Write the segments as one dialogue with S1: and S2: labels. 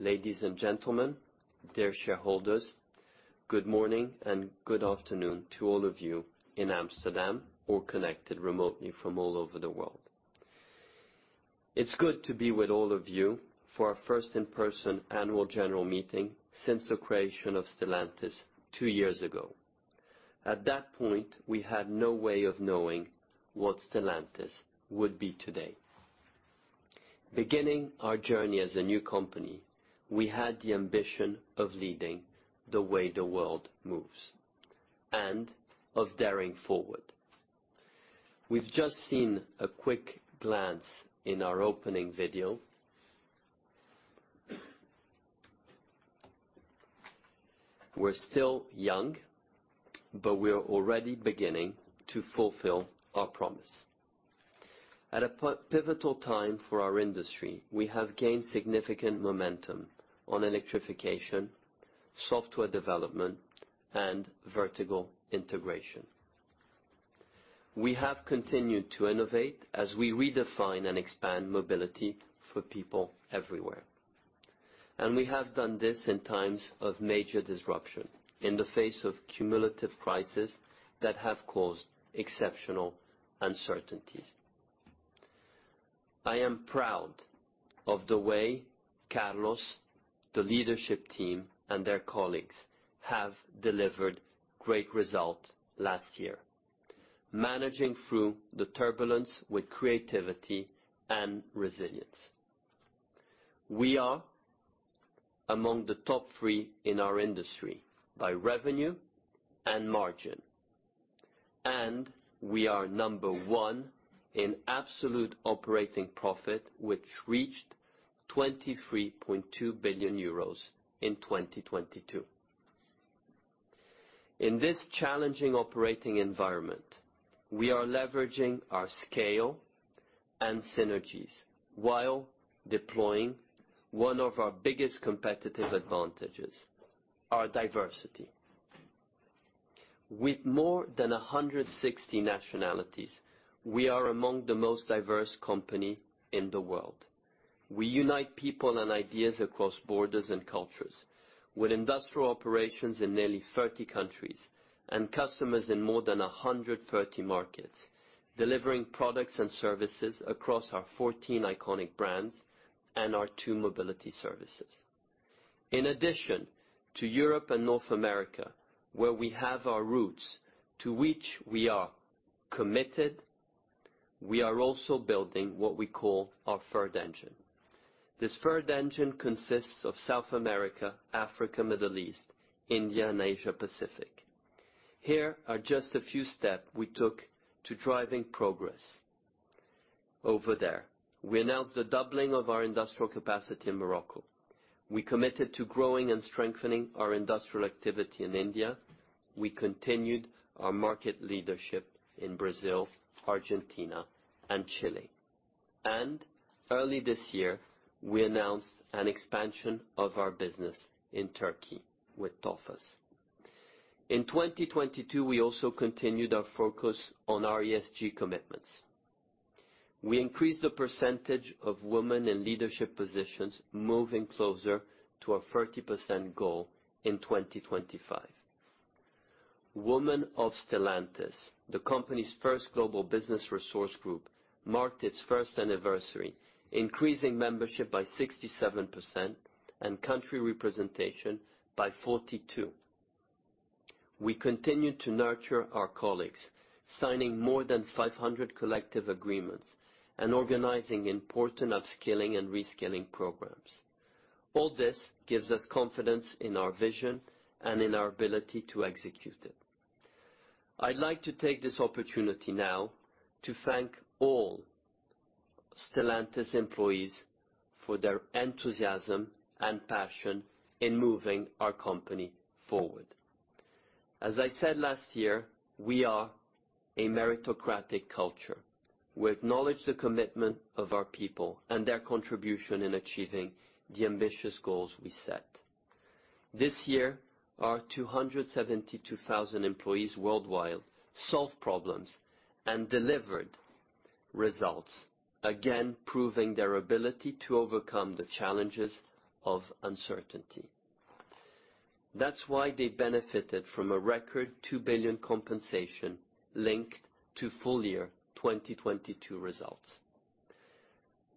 S1: Ladies and gentlemen, dear shareholders, good morning and good afternoon to all of you in Amsterdam or connected remotely from all over the world. It's good to be with all of you for our first in-person annual general meeting since the creation of Stellantis two years ago. At that point, we had no way of knowing what Stellantis would be today. Beginning our journey as a new company, we had the ambition of leading the way the world moves, and of daring forward. We've just seen a quick glance in our opening video. We're still young, but we are already beginning to fulfill our promise. At a pivotal time for our industry, we have gained significant momentum on electrification, software development, and vertical integration. We have continued to innovate as we redefine and expand mobility for people everywhere. We have done this in times of major disruption, in the face of cumulative crises that have caused exceptional uncertainties. I am proud of the way Carlos, the leadership team, and their colleagues have delivered great results last year, managing through the turbulence with creativity and resilience. We are among the top three in our industry by revenue and margin, and we are number one in absolute operating profit, which reached 23.2 billion euros in 2022. In this challenging operating environment, we are leveraging our scale and synergies while deploying one of our biggest competitive advantages, our diversity. With more than 160 nationalities, we are among the most diverse companies in the world. We unite people and ideas across borders and cultures with industrial operations in nearly 30 countries and customers in more than 130 markets, delivering products and services across our 14 iconic brands and our two mobility services. In addition to Europe and North America, where we have our roots to which we are committed, we are also building what we call our third engine. This third engine consists of South America, Africa, Middle East, India, and Asia Pacific. Here are just a few step we took to driving progress over there. We announced the doubling of our industrial capacity in Morocco. We committed to growing and strengthening our industrial activity in India. We continued our market leadership in Brazil, Argentina, and Chile. Early this year, we announced an expansion of our business in Turkey with Tofaş. In 2022, we also continued our focus on our ESG commitments. We increased the percentage of women in leadership positions moving closer to our 30% goal in 2025. Women of Stellantis, the company's first global business resource group, marked its first anniversary, increasing membership by 67% and country representation by 42. We continued to nurture our colleagues, signing more than 500 collective agreements and organizing important upskilling and reskilling programs. All this gives us confidence in our vision and in our ability to execute it. I'd like to take this opportunity now to thank all Stellantis employees for their enthusiasm and passion in moving our company forward. As I said last year, we are a meritocratic culture. We acknowledge the commitment of our people and their contribution in achieving the ambitious goals we set. This year, our 272,000 employees worldwide solved problems and delivered results, again proving their ability to overcome the challenges of uncertainty. They benefited from a record 2 billion compensation linked to full year 2022 results.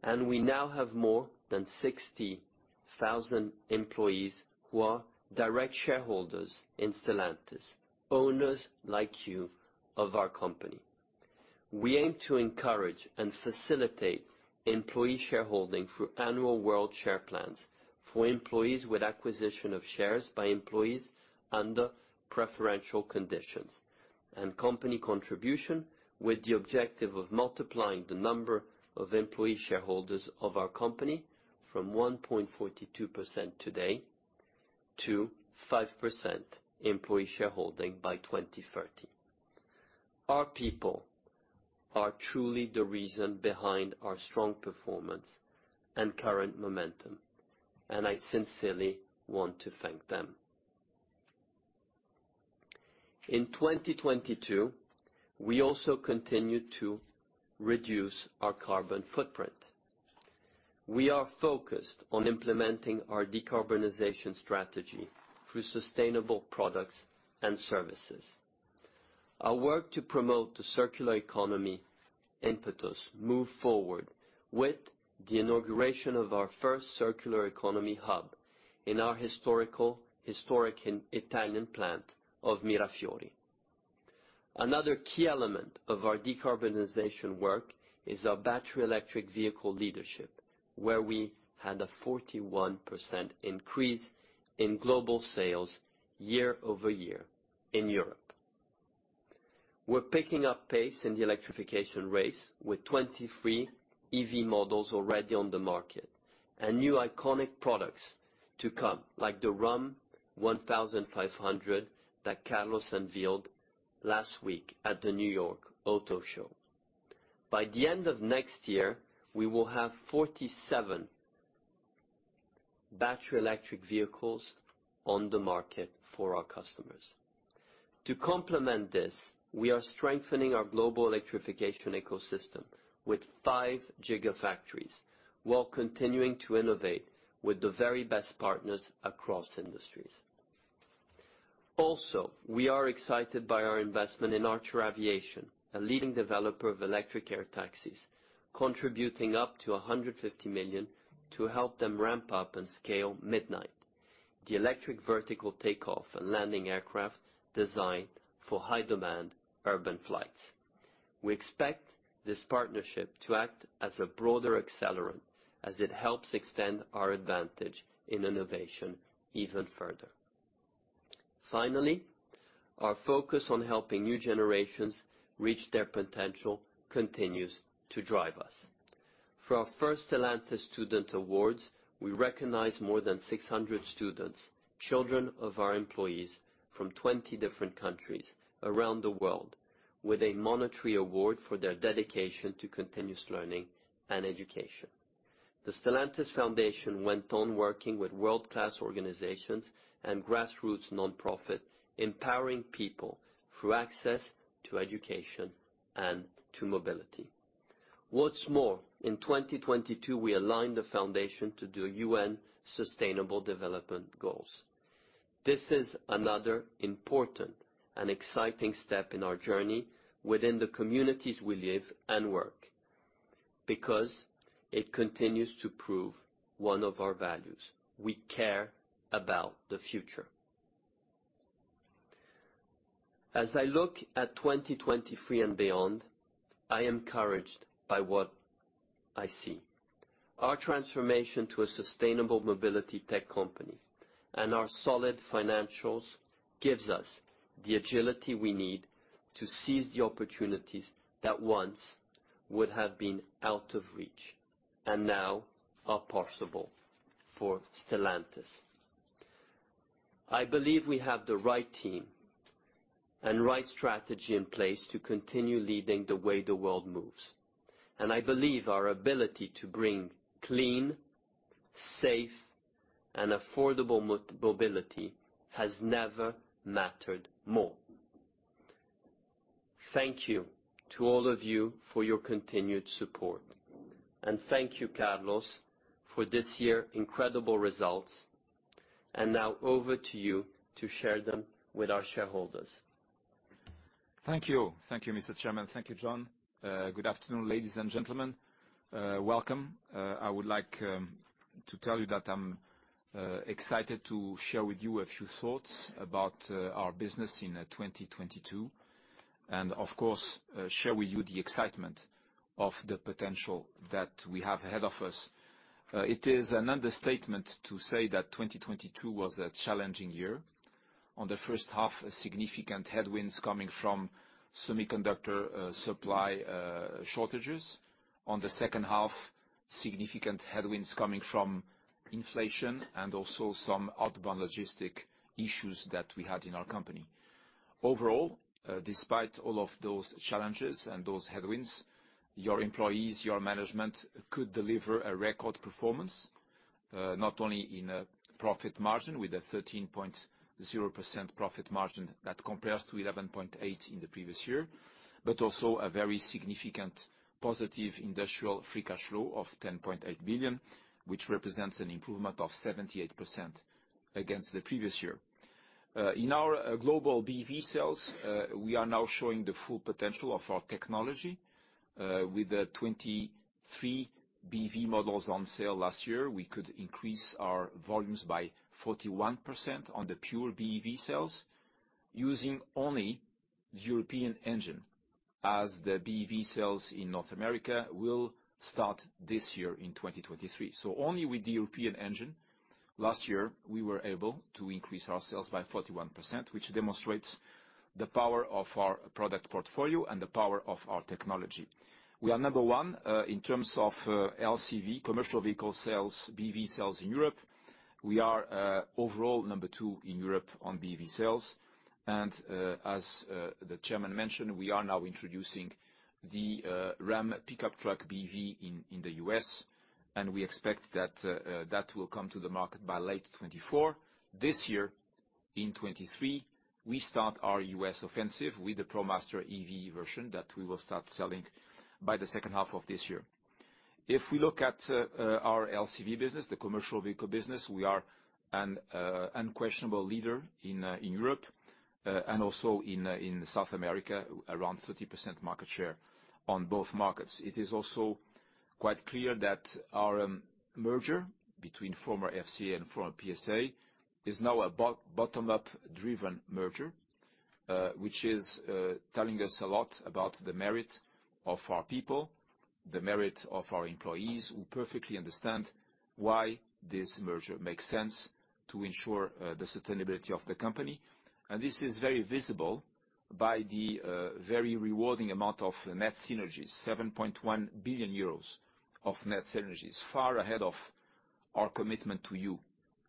S1: We now have more than 60,000 employees who are direct shareholders in Stellantis, owners like you of our company. We aim to encourage and facilitate employee shareholding through annual world share plans for employees with acquisition of shares by employees under preferential conditions and company contribution with the objective of multiplying the number of employee shareholders of our company from 1.42% today to 5% employee shareholding by 2030. Our people are truly the reason behind our strong performance and current momentum, and I sincerely want to thank them. In 2022, we also continued to reduce our carbon footprint. We are focused on implementing our decarbonization strategy through sustainable products and services. Our work to promote the circular economy impetus moved forward with the inauguration of our first circular economy hub in our historic and Italian plant of Mirafiori. Another key element of our decarbonization work is our battery electric vehicle leadership, where we had a 41% increase in global sales year-over-year in Europe. We're picking up pace in the electrification race with 23 EV models already on the market, and new iconic products to come, like the Ram 1500 that Carlos unveiled last week at the New York Auto Show. By the end of next year, we will have 47 battery electric vehicles on the market for our customers. To complement this, we are strengthening our global electrification ecosystem with five gigafactories, while continuing to innovate with the very best partners across industries. Also, we are excited by our investment in Archer Aviation, a leading developer of electric air taxis, contributing up to $150 million to help them ramp up and scale Midnight, the electric vertical takeoff and landing aircraft designed for high-demand urban flights. We expect this partnership to act as a broader accelerant as it helps extend our advantage in innovation even further. Finally, our focus on helping new generations reach their potential continues to drive us. For our first Stellantis Student Awards, we recognized more than 600 students, children of our employees from 20 different countries around the world with a monetary award for their dedication to continuous learning and education. The Stellantis Foundation went on working with world-class organizations and grassroots nonprofit, empowering people through access to education and to mobility. What's more, in 2022, we aligned the foundation to the UN Sustainable Development Goals. This is another important and exciting step in our journey within the communities we live and work, because it continues to prove one of our values. We care about the future. As I look at 2023 and beyond, I am encouraged by what I see. Our transformation to a sustainable mobility tech company and our solid financials gives us the agility we need to seize the opportunities that once would have been out of reach and now are possible for Stellantis. I believe we have the right team and right strategy in place to continue leading the way the world moves, and I believe our ability to bring clean, safe, and affordable mobility has never mattered more. Thank you to all of you for your continued support. Thank you, Carlos, for this year incredible results. Now over to you to share them with our shareholders.
S2: Thank you. Thank you, Mr. Chairman. Thank you, John. Good afternoon, ladies and gentlemen. Welcome. I would like to tell you that I'm excited to share with you a few thoughts about our business in 2022, and of course, share with you the excitement of the potential that we have ahead of us. It is an understatement to say that 2022 was a challenging year. On the first half, significant headwinds coming from semiconductor supply shortages. On the second half, significant headwinds coming from inflation and also some outbound logistics issues that we had in our company. Overall, despite all of those challenges and those headwinds, your employees, your management could deliver a record performance, not only in a profit margin with a 13.0% profit margin that compares to 11.8% in the previous year, but also a very significant positive industrial free cash flow of 10.8 billion, which represents an improvement of 78% against the previous year. In our global BEV sales, we are now showing the full potential of our technology. With the 23 BEV models on sale last year, we could increase our volumes by 41% on the pure BEV sales using only the European Engine as the BEV sales in North America will start this year in 2023. Only with the European Engine, last year, we were able to increase our sales by 41%, which demonstrates the power of our product portfolio and the power of our technology. We are number one in terms of LCV, commercial vehicle sales, BEV sales in Europe. We are overall number two in Europe on BEV sales. As the Chairman mentioned, we are now introducing the Ram pickup truck BEV in the U.S., and we expect that will come to the market by late 2024. In 2023, we start our U.S. offensive with the ProMaster EV version that we will start selling by the second half of this year. If we look at our LCV business, the commercial vehicle business, we are an unquestionable leader in Europe and also in South America, around 30% market share on both markets. It is also quite clear that our merger between former FCA and former PSA is now a bottom-up driven merger, which is telling us a lot about the merit of our people, the merit of our employees, who perfectly understand why this merger makes sense to ensure the sustainability of the company. And this is very visible by the very rewarding amount of net synergies, 7.1 billion euros of net synergies, far ahead of our commitment to you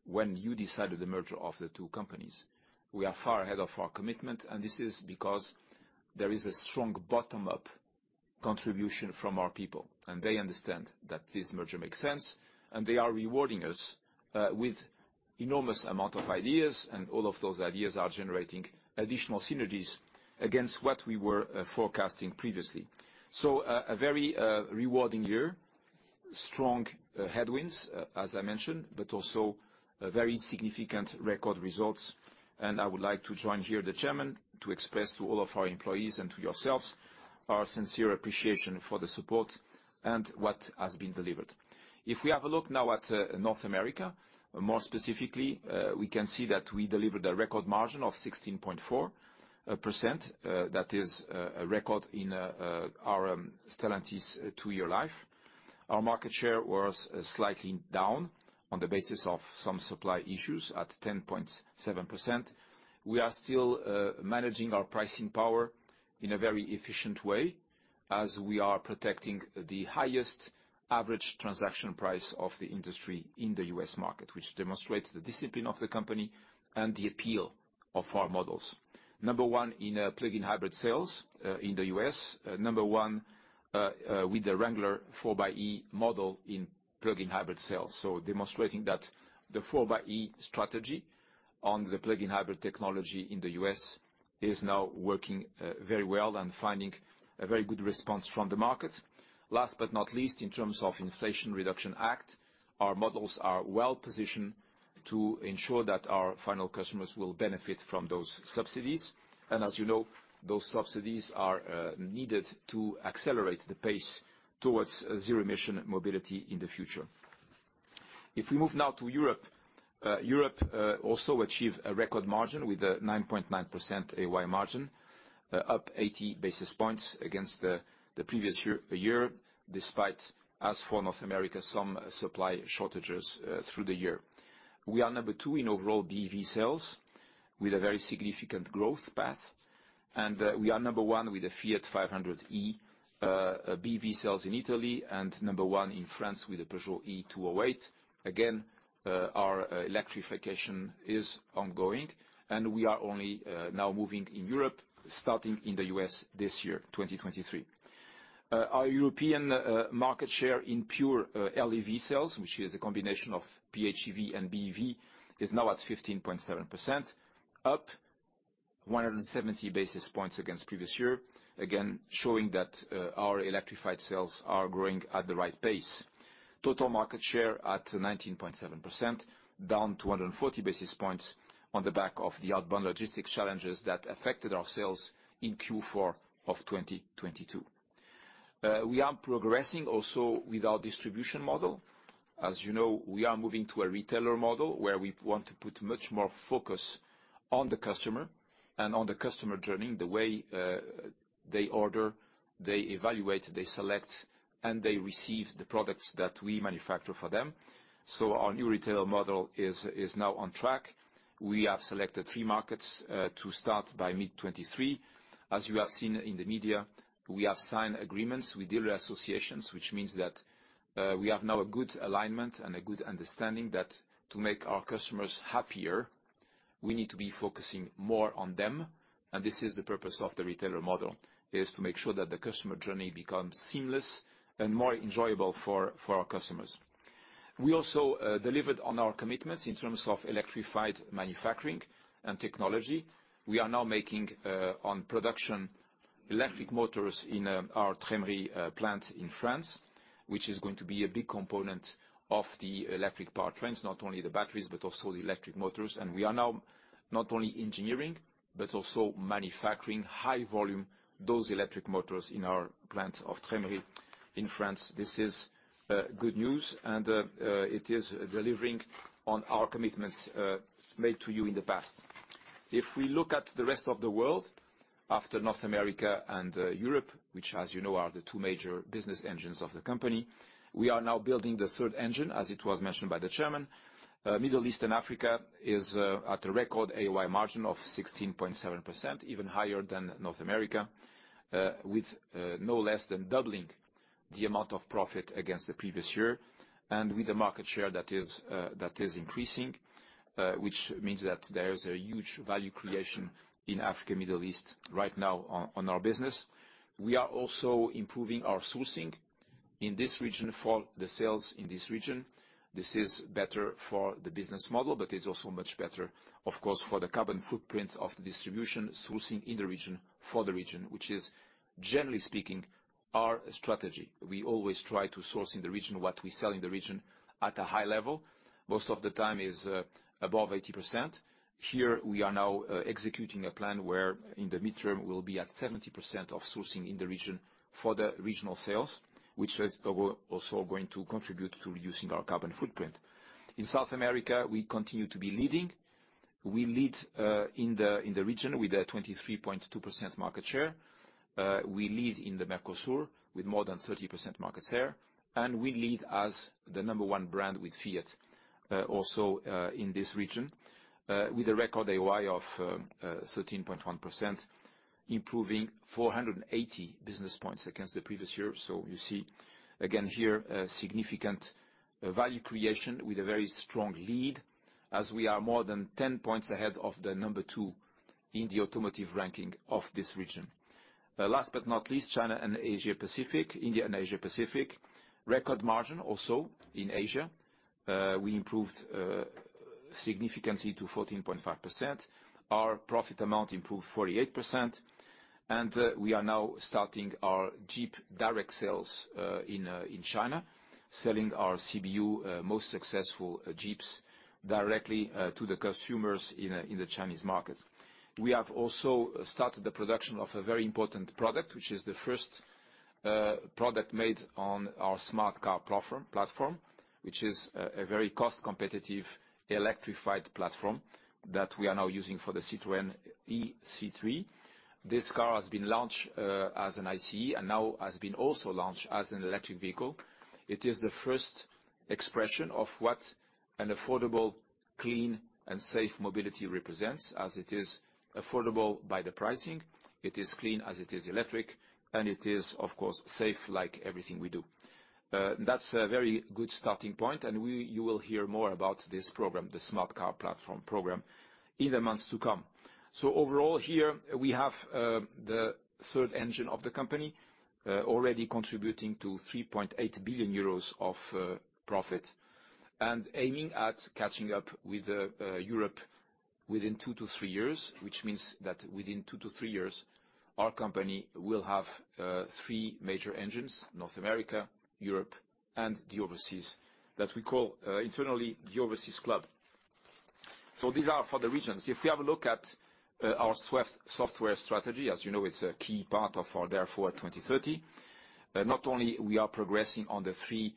S2: when you decided the merger of the two companies. We are far ahead of our commitment, this is because there is a strong bottom-up contribution from our people, they understand that this merger makes sense, they are rewarding us with enormous amount of ideas. All of those ideas are generating additional synergies against what we were forecasting previously. A very rewarding year. Strong headwinds, as I mentioned, but also a very significant record results. I would like to join here, the Chairman, to express to all of our employees and to yourselves our sincere appreciation for the support and what has been delivered. If we have a look now at North America, more specifically, we can see that we delivered a record margin of 16.4%. That is a record in our Stellantis two-year life. Our market share was slightly down on the basis of some supply issues at 10.7%. We are still managing our pricing power in a very efficient way as we are protecting the highest average transaction price of the industry in the U.S. market, which demonstrates the discipline of the company and the appeal of our models. Number one in plug-in hybrid sales in the U.S. Number one with the Wrangler 4xe model in plug-in hybrid sales. Demonstrating that the 4xe strategy on the plug-in hybrid technology in the U.S. is now working very well and finding a very good response from the market. Last but not least, in terms of Inflation Reduction Act, our models are well positioned to ensure that our final customers will benefit from those subsidies. As you know, those subsidies are needed to accelerate the pace towards zero emission mobility in the future. We move now to Europe also achieved a record margin with a 9.9% AOI margin, up 80 basis points against the previous year, despite, as for North America, some supply shortages through the year. We are number two in overall BEV sales with a very significant growth path, and we are number one with the Fiat 500e BEV sales in Italy, and number one in France with the PEUGEOT E-208. Our electrification is ongoing, and we are only now moving in Europe, starting in the U.S. this year, 2023. Our European market share in pure LEV sales, which is a combination of PHEV and BEV, is now at 15.7%, up 170 basis points against previous year. Again, showing that our electrified sales are growing at the right pace. Total market share at 19.7%, down 240 basis points on the back of the outbound logistics challenges that affected our sales in Q4 of 2022. We are progressing also with our distribution model. As you know, we are moving to a retailer model where we want to put much more focus on the customer and on the customer journey, the way they order, they evaluate, they select, and they receive the products that we manufacture for them. Our new retailer model is now on track. We have selected three markets to start by mid 2023. As you have seen in the media, we have signed agreements with dealer associations, which means that we have now a good alignment and a good understanding that to make our customers happier, we need to be focusing more on them. This is the purpose of the retailer model, is to make sure that the customer journey becomes seamless and more enjoyable for our customers. We also delivered on our commitments in terms of electrified manufacturing and technology. We are now making on production electric motors in our Trémery plant in France, which is going to be a big component of the electric powertrains, not only the batteries but also the electric motors. We are now not only engineering, but also manufacturing high volume, those electric motors in our plant of Trémery in France. This is good news, and it is delivering on our commitments made to you in the past. If we look at the rest of the world, after North America and Europe, which, as you know, are the two major business engines of the company, we are now building the third engine, as it was mentioned by the Chairman. Middle East and Africa is at a record AOI margin of 16.7%, even higher than North America, with no less than doubling the amount of profit against the previous year. With a market share that is increasing, which means that there is a huge value creation in Africa, Middle East right now on our business. We are also improving our sourcing in this region, for the sales in this region, this is better for the business model, but it's also much better, of course, for the carbon footprint of the distribution sourcing in the region for the region, which is, generally speaking, our strategy. We always try to source in the region what we sell in the region at a high level. Most of the time is above 80%. Here we are now executing a plan where in the mid-term, we'll be at 70% of sourcing in the region for the regional sales, which is also going to contribute to reducing our carbon footprint. In South America, we continue to be leading. We lead in the region with a 23.2% market share. We lead in the Mercosur with more than 30% market share, and we lead as the number one brand with Fiat also in this region with a record AOI of 13.1%, improving 480 business points against the previous year. You see again here a significant value creation with a very strong lead as we are more than 10 points ahead of the number two in the automotive ranking of this region. Last but not least, China and Asia-Pacific, India, and Asia-Pacific. Record margin also in Asia. We improved significantly to 14.5%. Our profit amount improved 48%. We are now starting our Jeep direct sales in China, selling our CBU most successful Jeeps directly to the customers in the Chinese market. We have also started the production of a very important product, which is the first product made on our Smart Car platform, which is a very cost-competitive electrified platform that we are now using for the Citroën ë-C3. This car has been launched as an ICE and now has been also launched as an electric vehicle. It is the first expression of what an affordable, clean, and safe mobility represents, as it is affordable by the pricing, it is clean as it is electric, and it is, of course, safe like everything we do. That's a very good starting point, you will hear more about this program, the Smart Car platform program in the months to come. Overall here we have the third engine of the company already contributing to 3.8 billion euros of profit. Aiming at catching up with Europe within two to three years, which means that within two to three years, our company will have three major engines, North America, Europe, and the overseas that we call internally the Overseas Club. These are for the regions. If we have a look at our software strategy, as you know, it's a key part of our Dare Forward 2030. Not only we are progressing on the three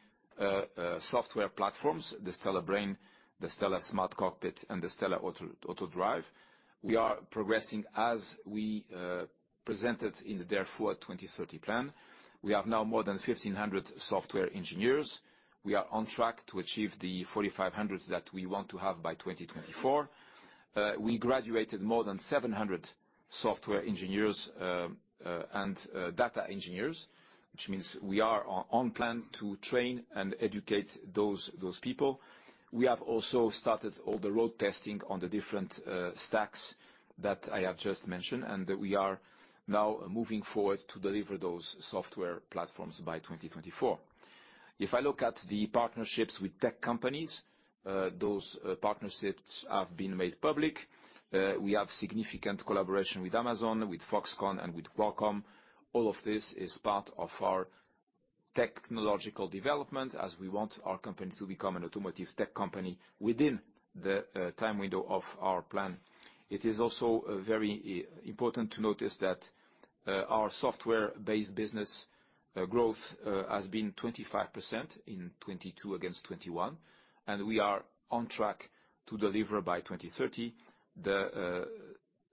S2: software platforms, the STLA Brain, the STLA SmartCockpit, and the STLA AutoDrive. We are progressing as we presented in the Dare Forward 2030 plan. We have now more than 1,500 software engineers. We are on track to achieve the 4,500 that we want to have by 2024. We graduated more than 700 software engineers and data engineers, which means we are on plan to train and educate those people. We have also started all the road testing on the different stacks that I have just mentioned, and we are now moving forward to deliver those software platforms by 2024. If I look at the partnerships with tech companies, those partnerships have been made public. We have significant collaboration with Amazon, with Foxconn, and with Qualcomm. All of this is part of our technological development as we want our company to become an automotive tech company within the time window of our plan. It is also very important to notice that our software-based business growth has been 25% in 2022 against 2021. We are on track to deliver by 2030, the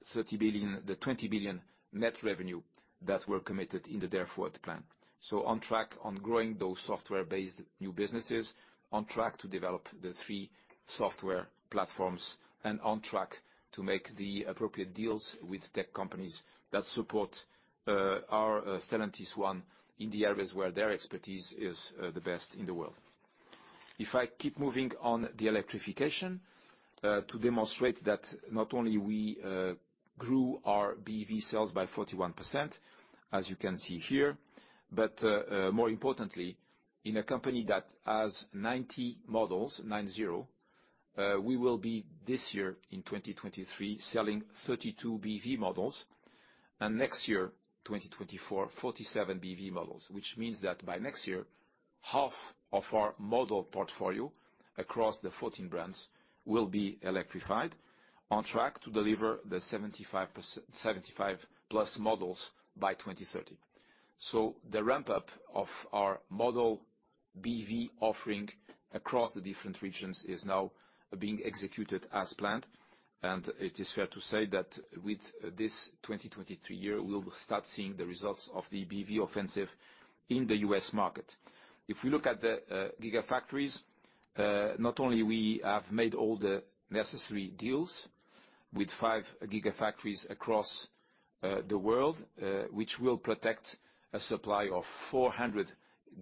S2: 30 billion, the 20 billion net revenue that we're committed in the Dare Forward plan. On track on growing those software-based new businesses, on track to develop the three software platforms, and on track to make the appropriate deals with tech companies that support our Stellantis One in the areas where their expertise is the best in the world. If I keep moving on the electrification, to demonstrate that not only we grew our BEV sales by 41%, as you can see here, but more importantly, in a company that has 90 models, we will be this year in 2023 selling 32 BEV models. Next year, 2024, 47 BEV models, which means that by next year, half of our model portfolio across the 14 brands will be electrified on track to deliver the 75+ models by 2030. The ramp-up of our model BEV offering across the different regions is now being executed as planned. It is fair to say that with this 2023 year, we will start seeing the results of the BEV offensive in the U.S. market. If we look at the gigafactories, not only we have made all the necessary deals with five gigafactories across the world, which will protect a supply of 400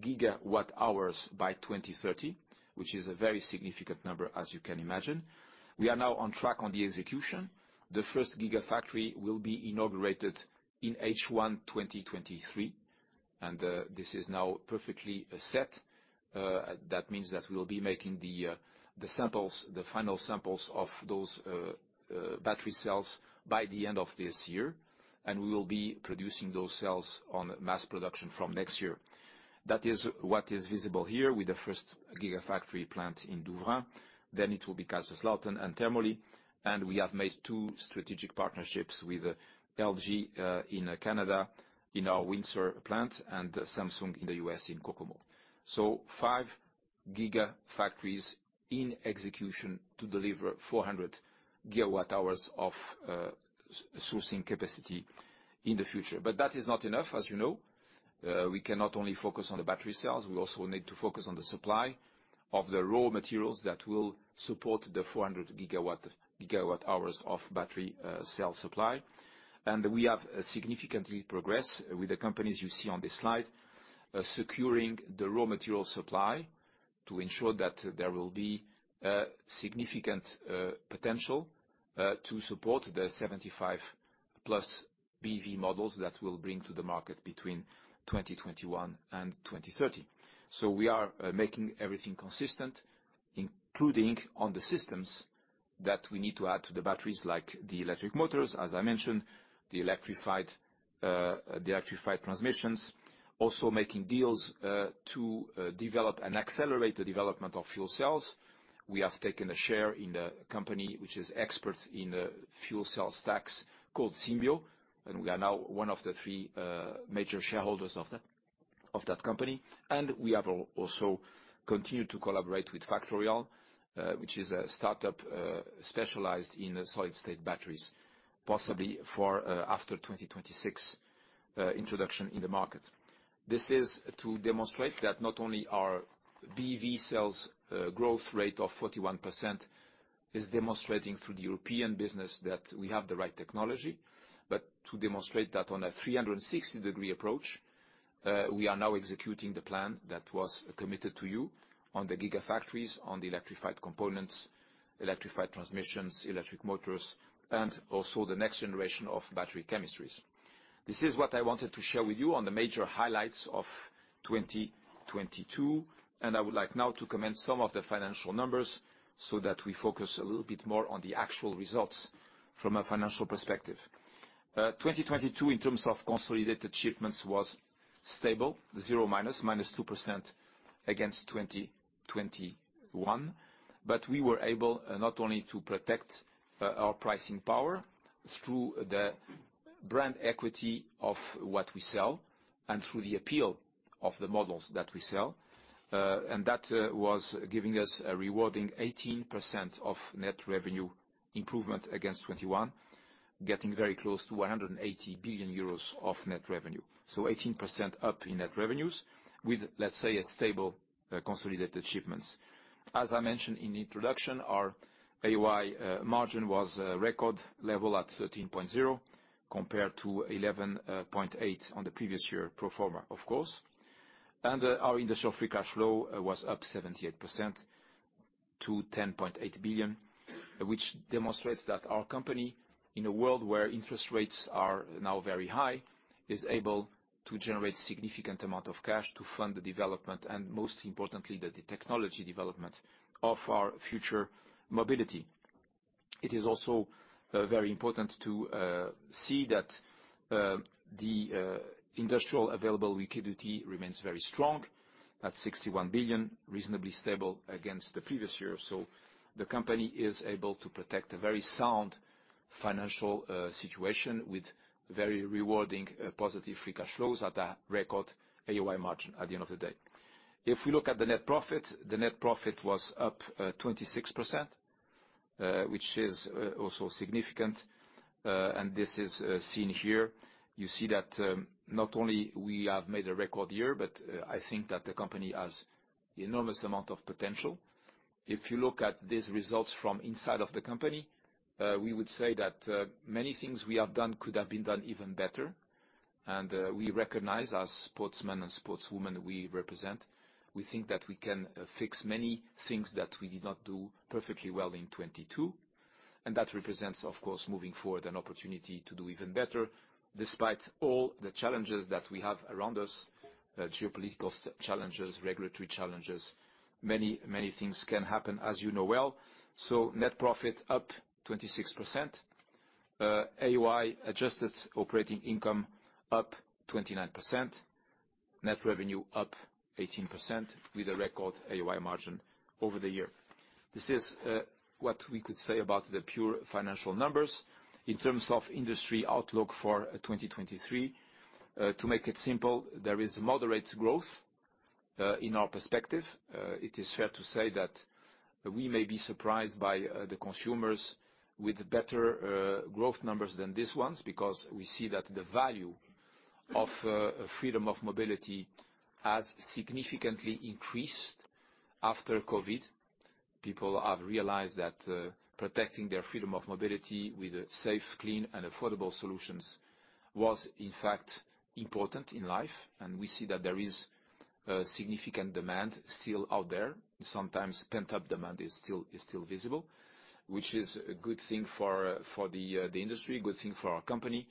S2: GWh by 2030, which is a very significant number, as you can imagine. We are now on track on the execution. The first gigafactory will be inaugurated in H1 2023. This is now perfectly set. That means that we will be making the samples, the final samples of those battery cells by the end of this year, and we will be producing those cells on mass production from next year. That is what is visible here with the first gigafactory plant in Douvrin. It will be Kaiserslautern and Termoli, and we have made two strategic partnerships with LG in Canada in our Windsor plant and Samsung in the U.S. in Kokomo. Five gigafactories in execution to deliver 400 GWh of sourcing capacity in the future. That is not enough, as you know. We cannot only focus on the battery cells, we also need to focus on the supply of the raw materials that will support the 400 GWh of battery cell supply. We have significantly progressed with the companies you see on this slide, securing the raw material supply to ensure that there will be significant potential to support the 75+ BEV models that we'll bring to the market between 2021 and 2030. We are making everything consistent, including on the systems that we need to add to the batteries, like the electric motors, as I mentioned, the electrified transmissions. Also making deals to develop and accelerate the development of fuel cells. We have taken a share in a company which is expert in fuel cell stacks called Symbio, and we are now one of the three major shareholders of that company. We have also continued to collaborate with Factorial, which is a startup, specialized in solid-state batteries, possibly for after 2026 introduction in the market. This is to demonstrate that not only are BEV sales, growth rate of 41% is demonstrating through the European business that we have the right technology, but to demonstrate that on a 360-degree approach, we are now executing the plan that was committed to you on the gigafactories, on the electrified components, electrified transmissions, electric motors, and also the next generation of battery chemistries. This is what I wanted to share with you on the major highlights of 2022. I would like now to comment some of the financial numbers so that we focus a little bit more on the actual results from a financial perspective. 2022 in terms of consolidated shipments was stable, zero -2% against 2021. We were able not only to protect our pricing power through the brand equity of what we sell and through the appeal of the models that we sell. That was giving us a rewarding 18% of net revenue improvement against 2021, getting very close to 180 billion euros of net revenue. 18% up in net revenues with, let's say, a stable consolidated shipments. As I mentioned in the introduction, our AOI margin was record level at 13.0% compared to 11.8% on the previous year pro forma, of course. Our industrial free cash flow was up 78% to 10.8 billion, which demonstrates that our company, in a world where interest rates are now very high, is able to generate significant amount of cash to fund the development and most importantly, the technology development of our future mobility. It is also very important to see that the industrial available liquidity remains very strong at 61 billion, reasonably stable against the previous year. The company is able to protect a very sound financial situation with very rewarding positive free cash flows at a record AOI margin at the end of the day. If we look at the net profit, the net profit was up 26%, which is also significant. This is seen here. You see that not only we have made a record year, but I think that the company has enormous amount of potential. If you look at these results from inside of the company, we would say that many things we have done could have been done even better. We recognize as sportsmen and sportswomen we represent, we think that we can fix many things that we did not do perfectly well in 2022. That represents, of course, moving forward an opportunity to do even better, despite all the challenges that we have around us, geopolitical challenges, regulatory challenges, many, many things can happen, as you know well. Net profit up 26%. AOI, adjusted operating income, up 29%. Net revenue up 18% with a record AOI margin over the year. This is what we could say about the pure financial numbers. In terms of industry outlook for 2023, to make it simple, there is moderate growth in our perspective. It is fair to say that we may be surprised by the consumers with better growth numbers than these ones, because we see that the value of Freedom of Mobility has significantly increased after COVID. People have realized that protecting their Freedom of Mobility with safe, clean, and affordable solutions was, in fact, important in life. We see that there is significant demand still out there. Sometimes pent-up demand is still visible, which is a good thing for the industry, a good thing for our company.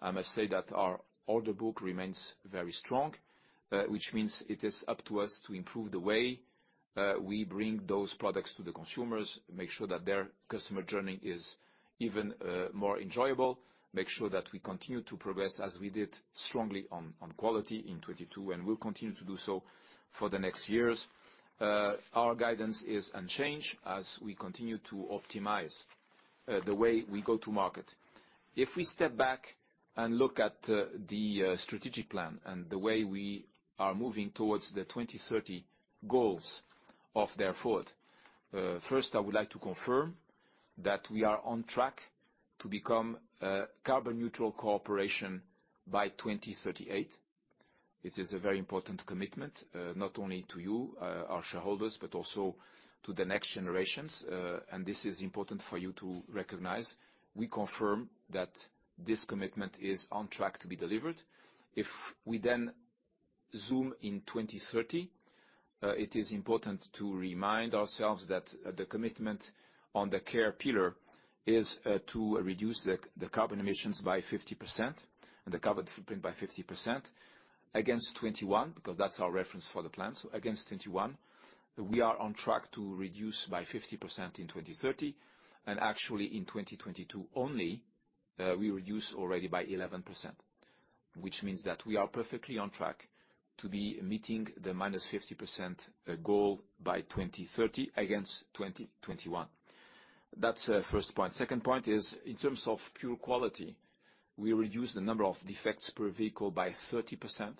S2: I must say that our order book remains very strong, which means it is up to us to improve the way we bring those products to the consumers, make sure that their customer journey is even more enjoyable, make sure that we continue to progress as we did strongly on quality in 2022, and we'll continue to do so for the next years. Our guidance is unchanged as we continue to optimize the way we go to market. If we step back and look at the strategic plan and the way we are moving towards the 2030 goals of Dare Forward. First, I would like to confirm that we are on track to become a carbon neutral corporation by 2038. It is a very important commitment, not only to you, our shareholders, but also to the next generations. This is important for you to recognize. We confirm that this commitment is on track to be delivered. If we then zoom in 2030, it is important to remind ourselves that the commitment on the care pillar is to reduce the carbon emissions by 50% and the carbon footprint by 50% against 2021, because that's our reference for the plan. Against 2021, we are on track to reduce by 50% in 2030. Actually, in 2022 only, we reduced already by 11%, which means that we are perfectly on track to be meeting the -50% goal by 2030 against 2021. That's first point. Second point is in terms of pure quality, we reduced the number of defects per vehicle by 30%,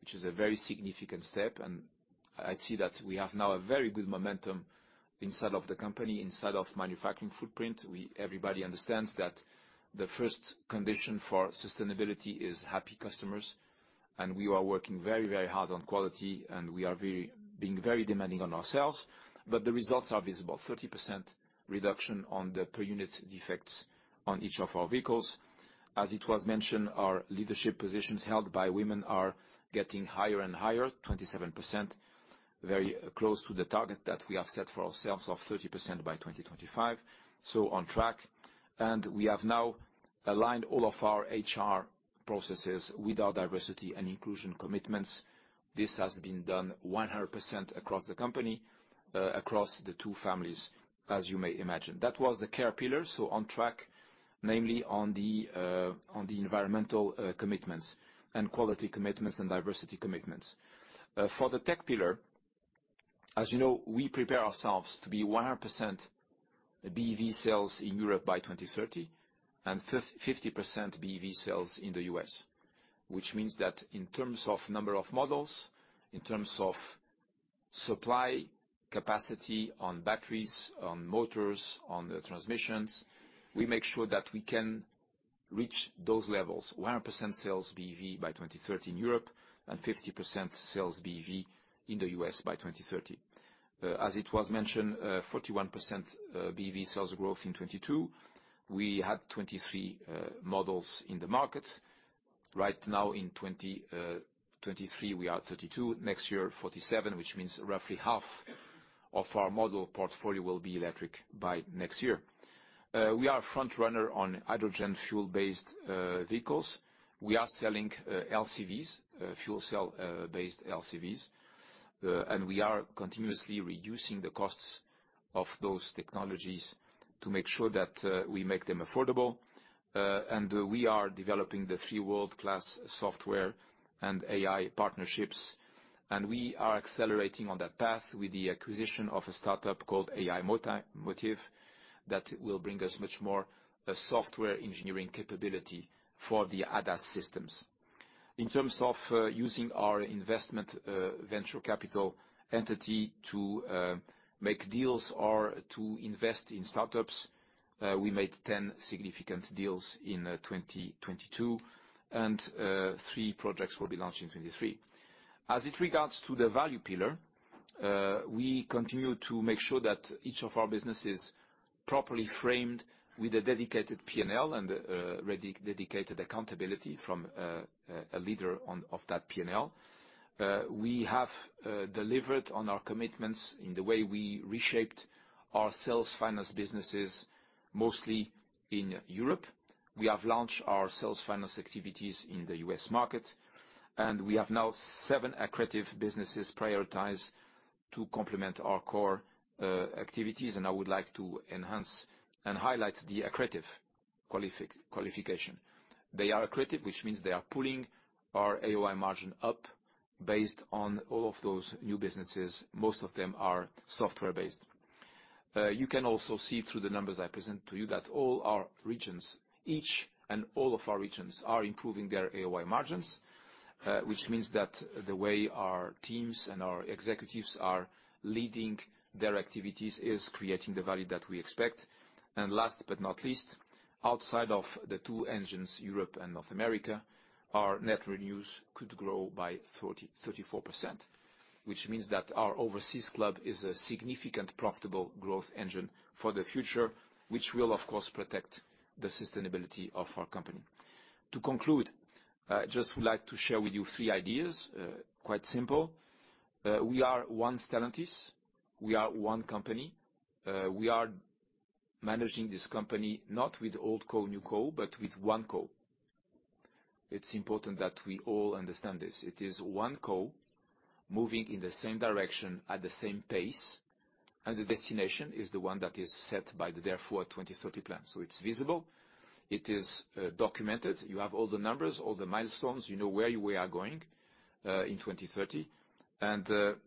S2: which is a very significant step, and I see that we have now a very good momentum inside of the company, inside of manufacturing footprint. Everybody understands that the first condition for sustainability is happy customers. We are working very, very hard on quality, and we are being very demanding on ourselves. The results are visible, 30% reduction on the per unit defects on each of our vehicles. As it was mentioned, our leadership positions held by women are getting higher and higher, 27%, very close to the target that we have set for ourselves of 30% by 2025. On track. We have now aligned all of our HR processes with our diversity and inclusion commitments. This has been done 100% across the company, across the two families, as you may imagine. That was the care pillar. On track, namely on the environmental commitments and quality commitments and diversity commitments. For the tech pillar, as you know, we prepare ourselves to be 100% BEV sales in Europe by 2030 and 50% BEV sales in the U.S., which means that in terms of number of models, in terms of supply capacity on batteries, on motors, on the transmissions, we make sure that we can reach those levels, 100% sales BEV by 2030 in Europe and 50% sales BEV in the U.S. by 2030. As it was mentioned, 41% BEV sales growth in 2022. We had 23 models in the market. Right now in 2023, we are at 32. Next year, 47, which means roughly half of our model portfolio will be electric by next year. We are a front runner on hydrogen fuel-based vehicles. We are selling LCVs, fuel cell based LCVs, and we are continuously reducing the costs of those technologies to make sure that we make them affordable. We are developing the three world-class software and AI partnerships, and we are accelerating on that path with the acquisition of a startup called aiMotive that will bring us much more software engineering capability for the ADAS systems. In terms of using our investment venture capital entity to make deals or to invest in startups, we made 10 significant deals in 2022, and three projects will be launched in 2023. As it regards to the value pillar, we continue to make sure that each of our businesses properly framed with a dedicated P&L and a dedicated accountability from a leader of that P&L. We have delivered on our commitments in the way we reshaped our sales finance businesses, mostly in Europe. We have launched our sales finance activities in the U.S. market, we have now seven accretive businesses prioritized to complement our core activities. I would like to enhance and highlight the accretive qualification. They are accretive, which means they are pulling our AOI margin up based on all of those new businesses. Most of them are software-based. You can also see through the numbers I present to you that all our regions, each and all of our regions are improving their AOI margins, which means that the way our teams and our executives are leading their activities is creating the value that we expect. Last but not least, outside of the two engines, Europe and North America, our net revenues could grow by 30%-34%, which means that our Overseas Club is a significant profitable growth engine for the future, which will, of course, protect the sustainability of our company. To conclude, I just would like to share with you three ideas, quite simple. We are one Stellantis, we are one company. We are managing this company not with old co, new co, but with one co. It's important that we all understand this. It is one co moving in the same direction at the same pace, and the destination is the one that is set by the Dare Forward 2030 plan. It's visible, it is documented. You have all the numbers, all the milestones. You know where we are going in 2030.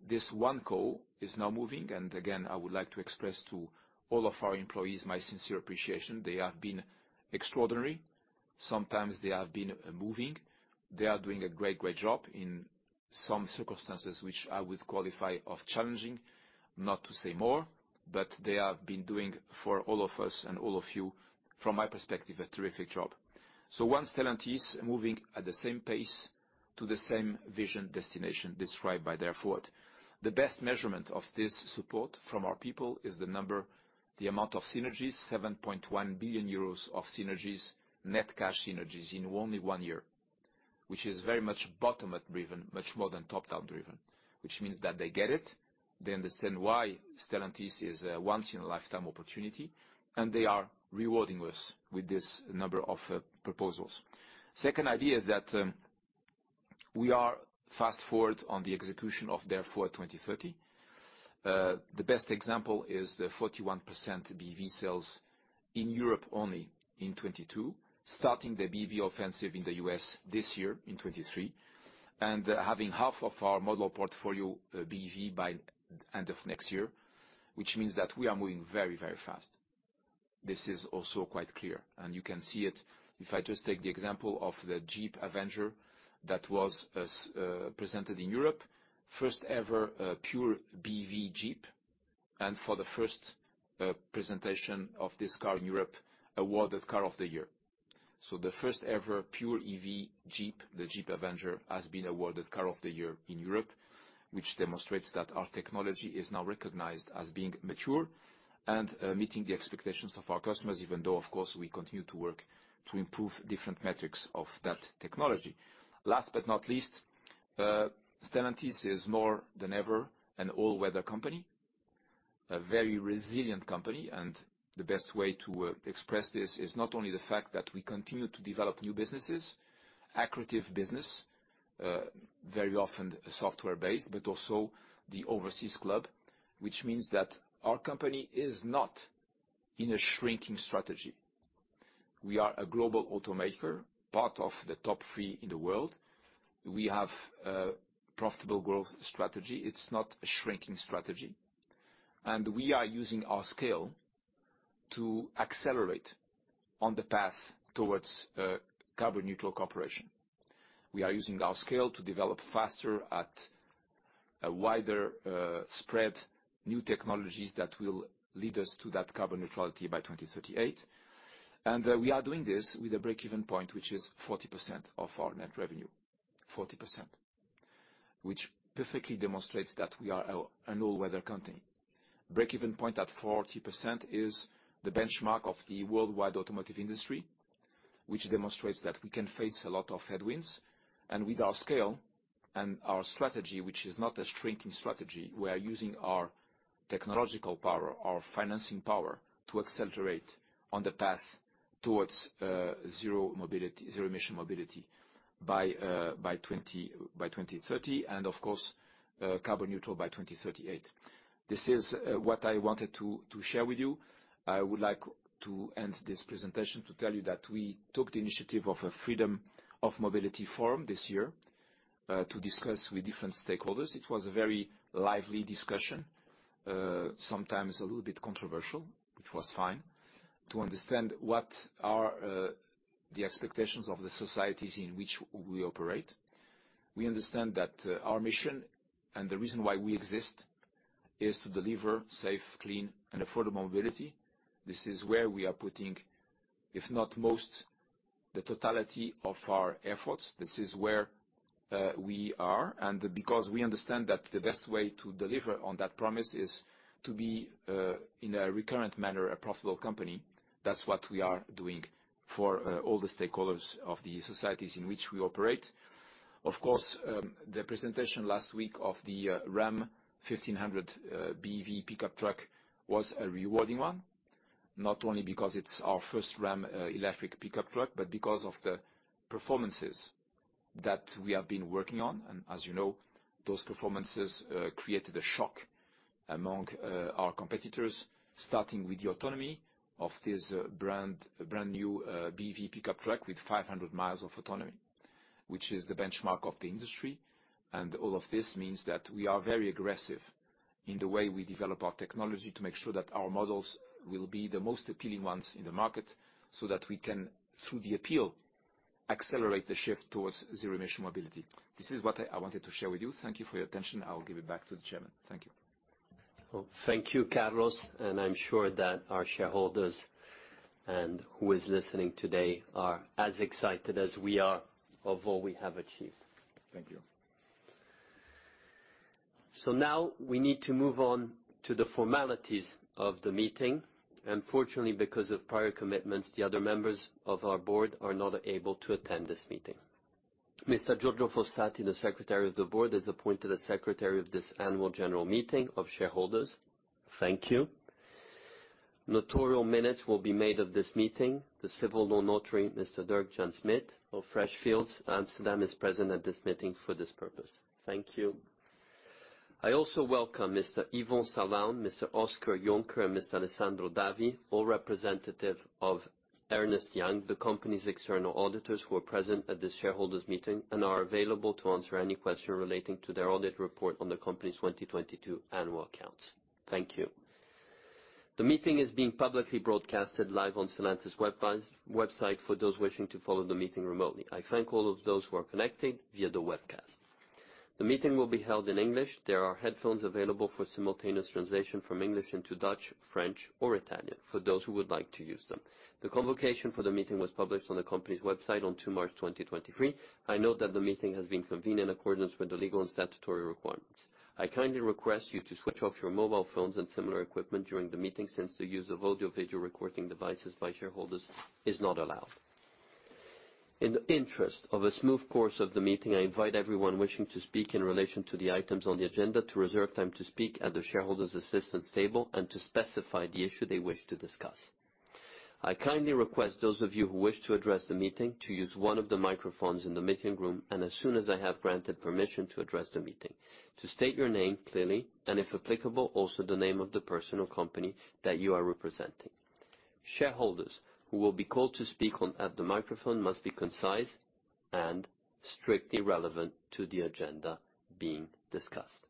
S2: This one co is now moving. Again, I would like to express to all of our employees my sincere appreciation. They have been extraordinary. Sometimes they have been moving. They are doing a great job in some circumstances, which I would qualify of challenging, not to say more, but they have been doing for all of us and all of you, from my perspective, a terrific job. One Stellantis moving at the same pace to the same vision destination described by Dare Forward. The best measurement of this support from our people is the number, the amount of synergies, 7.1 billion euros of synergies, net cash synergies in only one year, which is very much bottom-up driven, much more than top-down driven. Which means that they get it, they understand why Stellantis is a once in a lifetime opportunity, and they are rewarding us with this number of proposals. Second idea is that we are fast forward on the execution of Dare Forward 2030. The best example is the 41% BEV sales in Europe only in 2022. Starting the BEV offensive in the U.S. this year in 2023, and having half of our model portfolio BEV by end of next year, which means that we are moving very, very fast. This is also quite clear, and you can see it. If I just take the example of the Jeep Avenger that was presented in Europe, first ever pure BEV Jeep, and for the first presentation of this car in Europe, awarded Car of the Year. The first ever pure EV Jeep, the Jeep Avenger, has been awarded Car of the Year in Europe, which demonstrates that our technology is now recognized as being mature and meeting the expectations of our customers, even though, of course, we continue to work to improve different metrics of that technology. Last but not least, Stellantis is more than ever an all-weather company, a very resilient company. The best way to express this is not only the fact that we continue to develop new businesses, accretive business, very often software based, but also the Overseas Club, which means that our company is not in a shrinking strategy. We are a global automaker, part of the top three in the world. We have a profitable growth strategy. It's not a shrinking strategy. We are using our scale to accelerate on the path towards carbon neutral cooperation. We are using our scale to develop faster at a wider spread, new technologies that will lead us to that carbon neutrality by 2038. We are doing this with a break-even point, which is 40% of our net revenue. 40%, which perfectly demonstrates that we are a, an all-weather company. Break-even point at 40% is the benchmark of the worldwide automotive industry, which demonstrates that we can face a lot of headwinds. With our scale and our strategy, which is not a shrinking strategy, we are using our technological power, our financing power, to accelerate on the path towards zero mobility, zero emission mobility by 2030 and of course, carbon neutral by 2038. This is what I wanted to share with you. I would like to end this presentation to tell you that we took the initiative of a Freedom of Mobility Forum this year to discuss with different stakeholders. It was a very lively discussion, sometimes a little bit controversial, which was fine, to understand what are the expectations of the societies in which we operate. We understand that our mission and the reason why we exist is to deliver safe, clean and affordable mobility. This is where we are putting, if not most, the totality of our efforts. This is where we are. Because we understand that the best way to deliver on that promise is to be in a recurrent manner, a profitable company, that's what we are doing for all the stakeholders of the societies in which we operate. Of course, the presentation last week of the Ram 1500 BEV pickup truck was a rewarding one, not only because it's our first Ram electric pickup truck, but because of the performances that we have been working on. As you know, those performances created a shock among our competitors, starting with the autonomy of this brand new BEV pickup truck with 500 miles of autonomy, which is the benchmark of the industry. All of this means that we are very aggressive in the way we develop our technology to make sure that our models will be the most appealing ones in the market, so that we can, through the appeal, accelerate the shift towards zero emission mobility. This is what I wanted to share with you. Thank you for your attention. I will give it back to the Chairman. Thank you.
S1: Thank you, Carlos, and I'm sure that our shareholders and who is listening today are as excited as we are of what we have achieved.
S2: Thank you.
S1: Now we need to move on to the formalities of the meeting. Unfortunately, because of prior commitments, the other members of our board are not able to attend this meeting. Mr. Giorgio Fossati, the Secretary of the Board, is appointed as Secretary of this annual general meeting of shareholders. Thank you. Notarial minutes will be made of this meeting. The civil law notary, Mr. Dirk-Jan Smit of Freshfields Amsterdam, is present at this meeting for this purpose. Thank you. I also welcome Mr. Yvon Salaün, Mr. Oscar Jonker, and Mr. Alessandro Davi, all representative of Ernst & Young, the company's external auditors, who are present at this shareholders meeting and are available to answer any question relating to their audit report on the company's 2022 annual accounts. Thank you. The meeting is being publicly broadcasted live on Stellantis website for those wishing to follow the meeting remotely. I thank all of those who are connected via the webcast. The meeting will be held in English. There are headphones available for simultaneous translation from English into Dutch, French, or Italian for those who would like to use them. The convocation for the meeting was published on the company's website on March 2, 2023. I note that the meeting has been convened in accordance with the legal and statutory requirements. I kindly request you to switch off your mobile phones and similar equipment during the meeting, since the use of audio-visual recording devices by shareholders is not allowed. In the interest of a smooth course of the meeting, I invite everyone wishing to speak in relation to the items on the agenda to reserve time to speak at the shareholder's assistance table and to specify the issue they wish to discuss. I kindly request those of you who wish to address the meeting to use one of the microphones in the meeting room, and as soon as I have granted permission to address the meeting, to state your name clearly, and if applicable, also the name of the person or company that you are representing. Shareholders who will be called to speak at the microphone must be concise and strictly relevant to the agenda being discussed.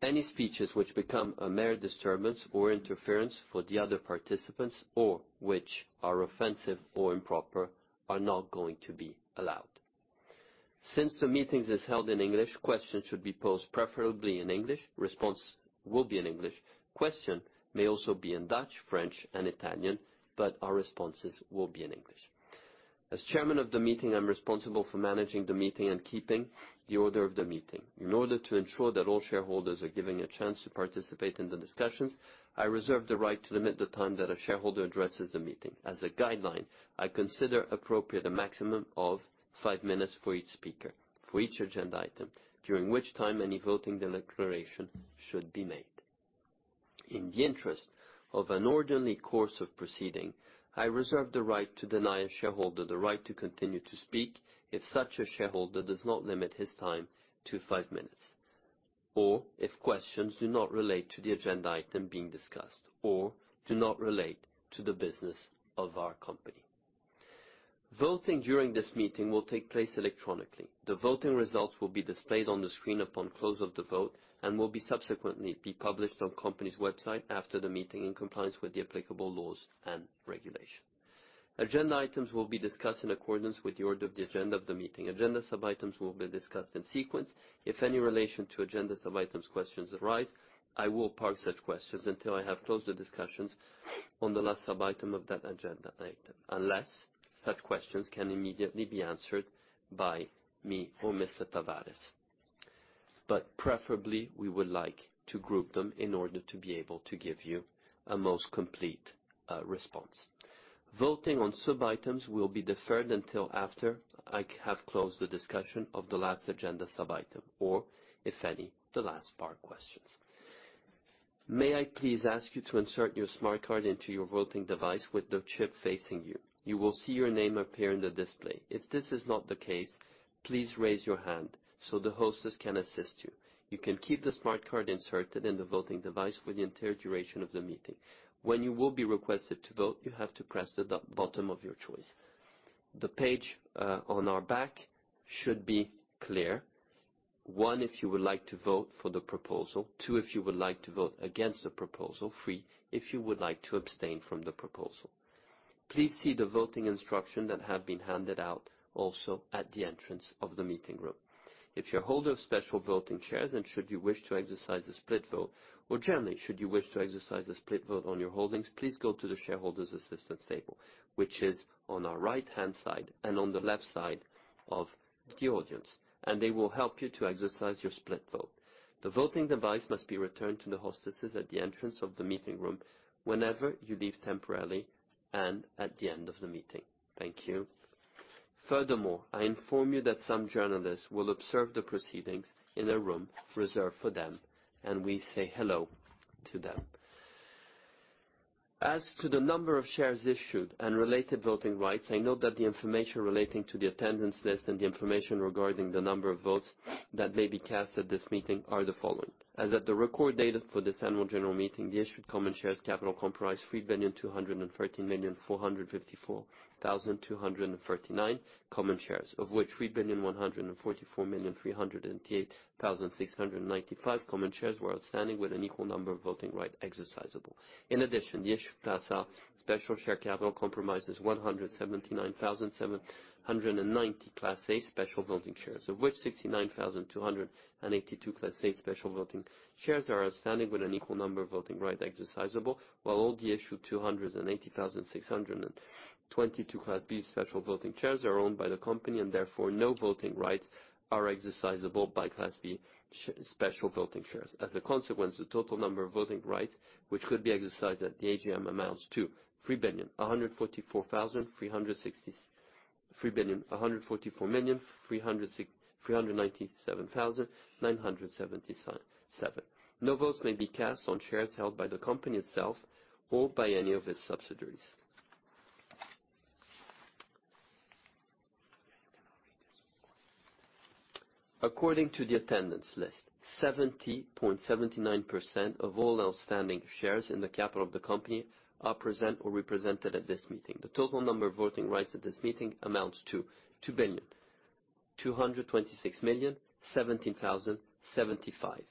S1: Any speeches which become a mere disturbance or interference for the other participants, or which are offensive or improper are not going to be allowed. Since the meeting is held in English, questions should be posed preferably in English. Response will be in English. Question may also be in Dutch, French, and Italian, but our responses will be in English. As Chairman of the meeting, I'm responsible for managing the meeting and keeping the order of the meeting. In order to ensure that all shareholders are given a chance to participate in the discussions, I reserve the right to limit the time that a shareholder addresses the meeting. As a guideline, I consider appropriate a maximum of five minutes for each speaker, for each agenda item, during which time any voting declaration should be made. In the interest of an orderly course of proceeding, I reserve the right to deny a shareholder the right to continue to speak if such a shareholder does not limit his time to five minutes, or if questions do not relate to the agenda item being discussed, or do not relate to the business of our company. Voting during this meeting will take place electronically. The voting results will be displayed on the screen upon close of the vote and will be subsequently published on company's website after the meeting in compliance with the applicable laws and regulation. Agenda items will be discussed in accordance with the order of the agenda of the meeting. Agenda sub-items will be discussed in sequence. If any relation to agenda sub-items questions arise, I will park such questions until I have closed the discussions on the last sub-item of that agenda item, unless such questions can immediately be answered by me or Mr. Tavares. Preferably, we would like to group them in order to be able to give you a most complete response. Voting on sub-items will be deferred until after I have closed the discussion of the last agenda sub-item, or if any, the last part questions. May I please ask you to insert your smart card into your voting device with the chip facing you. You will see your name appear in the display. If this is not the case, please raise your hand so the hostess can assist you. You can keep the smart card inserted in the voting device for the entire duration of the meeting. When you will be requested to vote, you have to press the bottom of your choice. The page on our back should be clear. One, if you would like to vote for the proposal. Two, if you would like to vote against the proposal. Three, if you would like to abstain from the proposal. Please see the voting instruction that have been handed out also at the entrance of the meeting room. If you're holder of special voting shares and should you wish to exercise a split vote, or generally should you wish to exercise a split vote on your holdings, please go to the shareholder's assistance table, which is on our right-hand side and on the left side of the audience, and they will help you to exercise your split vote. The voting device must be returned to the hostesses at the entrance of the meeting room whenever you leave temporarily and at the end of the meeting. Thank you. Furthermore, I inform you that some journalists will observe the proceedings in a room reserved for them, and we say hello to them. As to the number of shares issued and related voting rights, I note that the information relating to the attendance list and the information regarding the number of votes that may be cast at this meeting are the following: As of the record date for this annual general meeting, the issued common shares capital comprised 3,213,454,239 common shares, of which 3,144,308,695 common shares were outstanding with an equal number of voting rights exercisable. In addition, the issued class A special share capital compromises 179,790 class A special voting shares, of which 69,282 class A special voting shares are outstanding with an equal number of voting rights exercisable, while all the issued 280,622 class B special voting shares are owned by the company and therefore, no voting rights are exercisable by class B special voting shares. As a consequence, the total number of voting rights which could be exercised at the AGM amounts to 3,144,397,977. No votes may be cast on shares held by the company itself or by any of its subsidiaries. According to the attendance list, 70.79% of all outstanding shares in the capital of the company are present or represented at this meeting. The total number of voting rights at this meeting amounts to 2,226,017,075.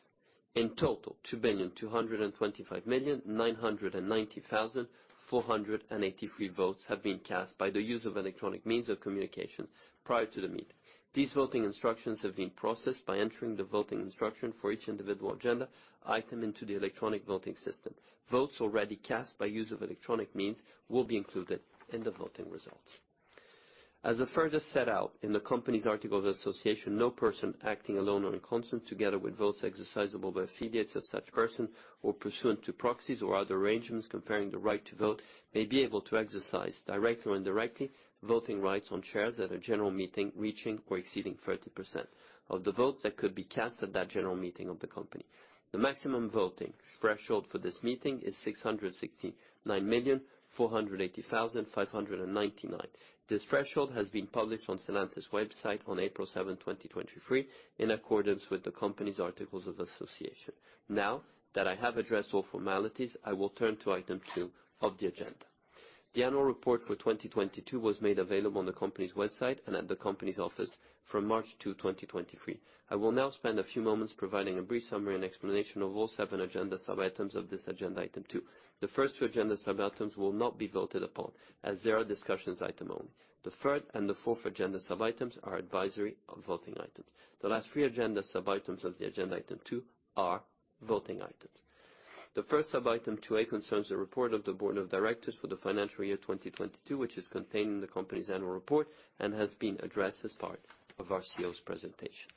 S1: In total, 2,225,990,483 votes have been cast by the use of electronic means of communication prior to the meeting. These voting instructions have been processed by entering the voting instruction for each individual agenda item into the electronic voting system. Votes already cast by use of electronic means will be included in the voting results. As a further set out in the company's articles of association, no person acting alone or in concert together with votes exercisable by affiliates of such person or pursuant to proxies or other arrangements comparing the right to vote may be able to exercise directly or indirectly voting rights on shares at a general meeting, reaching or exceeding 30% of the votes that could be cast at that general meeting of the company. The maximum voting threshold for this meeting is 669,480,599. This threshold has been published on Stellantis website on April 7, 2023, in accordance with the company's articles of association. Now that I have addressed all formalities, I will turn to item two of the agenda. The annual report for 2022 was made available on the company's website and at the company's office from March 2, 2023. I will now spend a few moments providing a brief summary and explanation of all seven agenda sub-items of this agenda item two. The first two agenda sub-items will not be voted upon as they are discussions item only. The third and the fourth agenda sub-items are advisory voting items. The last three agenda sub-items of the agenda item two are voting items. The first sub-item 2.a., concerns the report of the board of directors for the financial year 2022, which is contained in the company's annual report and has been addressed as part of our CEO's presentation.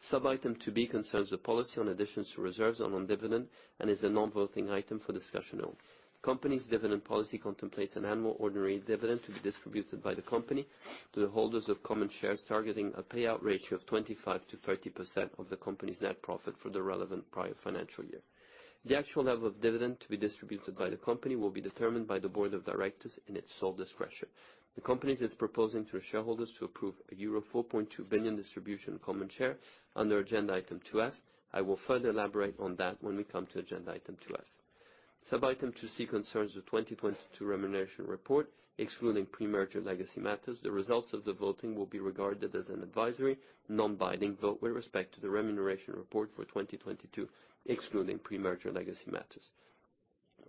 S1: Sub-item 2.b., concerns the policy on additions to reserves on dividend and is a non-voting item for discussion only. Company's dividend policy contemplates an annual ordinary dividend to be distributed by the company to the holders of common shares, targeting a payout ratio of 25%-30% of the company's net profit for the relevant prior financial year. The actual level of dividend to be distributed by the company will be determined by the Board of Directors in its sole discretion. The company is proposing to shareholders to approve a euro 4.2 billion distribution common share under agenda item 2.f. I will further elaborate on that when we come to agenda item 2.f. Sub-item 2.c., concerns the 2022 remuneration report, excluding pre-merger legacy matters. The results of the voting will be regarded as an advisory, non-binding vote with respect to the remuneration report for 2022, excluding pre-merger legacy matters.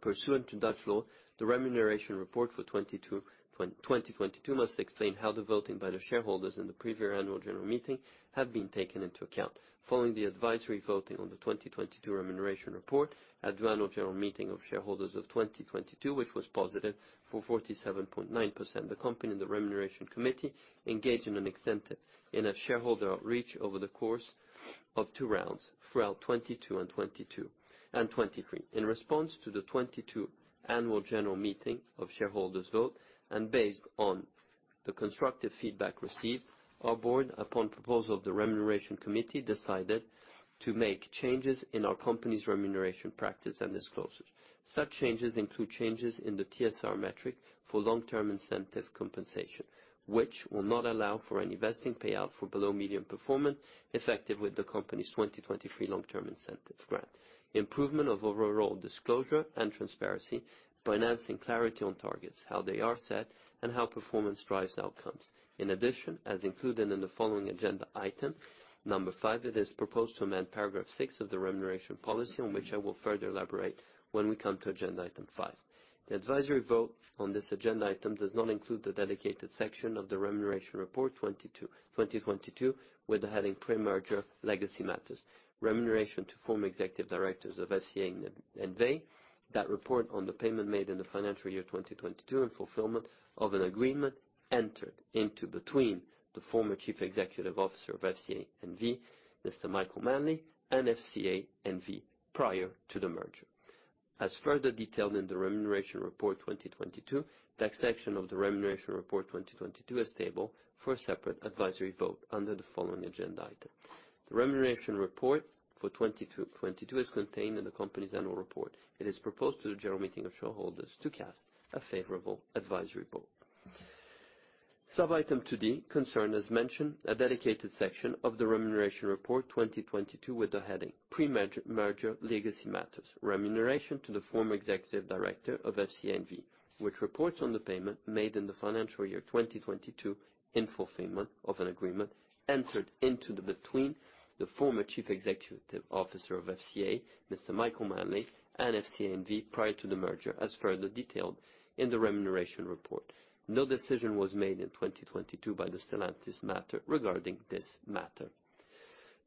S1: Pursuant to Dutch law, the remuneration report for 2022 must explain how the voting by the shareholders in the previous annual general meeting have been taken into account. Following the advisory voting on the 2022 remuneration report at the annual general meeting of shareholders of 2022, which was positive for 47.9%. The company and the remuneration committee engaged in a shareholder outreach over the course of two rounds throughout 2022 and 2023. In response to the 2022 annual general meeting of shareholders vote and based on the constructive feedback received, our board, upon proposal of the remuneration committee, decided to make changes in our company's remuneration practice and disclosures. Such changes include changes in the TSR metric for long-term incentive compensation, which will not allow for any vesting payout for below medium performance, effective with the company's 2023 long-term incentive grant. Improvement of overall disclosure and transparency by enhancing clarity on targets, how they are set, and how performance drives outcomes. As included in the following agenda item five, it is proposed to amend paragraph six of the remuneration policy on which I will further elaborate when we come to agenda item five. The advisory vote on this agenda item does not include the dedicated section of the remuneration report 2022 with the heading Pre-merger Legacy Matters. Remuneration to form executive directors of FCA N.V. That report on the payment made in the financial year 2022 in fulfillment of an agreement entered into between the former Chief Executive Officer of FCA N.V., Mr. Michael Manley, and FCA N.V. prior to the merger. As further detailed in the remuneration report 2022, that section of the remuneration report 2022 is stable for a separate advisory vote under the following agenda item. The remuneration report for 2022 is contained in the company's annual report. It is proposed to the general meeting of shareholders to cast a favorable advisory vote. Sub-item 2.d. concern, as mentioned, a dedicated section of the remuneration report 2022 with the heading Pre-merger Legacy Matters. Remuneration to the former executive director of FCA N.V., which reports on the payment made in the financial year 2022 in fulfillment of an agreement entered into between the former Chief Executive Officer of FCA, Mr. Michael Manley, and FCA N.V. prior to the merger, as further detailed in the remuneration report. No decision was made in 2022 by the Stellantis matter regarding this matter.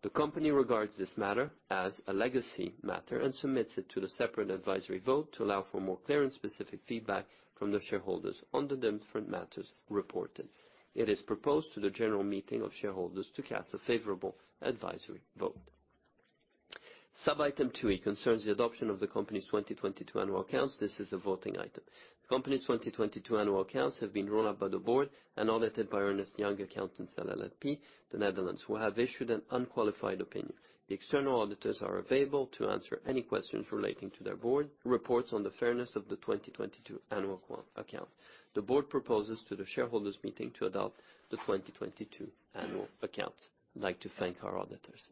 S1: The company regards this matter as a legacy matter and submits it to the separate advisory vote to allow for more clear and specific feedback from the shareholders under the different matters reported. It is proposed to the general meeting of shareholders to cast a favorable advisory vote. Sub-item 2.e. concerns the adoption of the company's 2022 annual accounts. This is a voting item. The company's 2022 annual accounts have been rolled up by the board and audited by Ernst & Young Accountants LLP, the Netherlands, who have issued an unqualified opinion. The external auditors are available to answer any questions relating to their board reports on the fairness of the 2022 annual account. The board proposes to the shareholders meeting to adopt the 2022 annual accounts. I'd like to thank our auditors.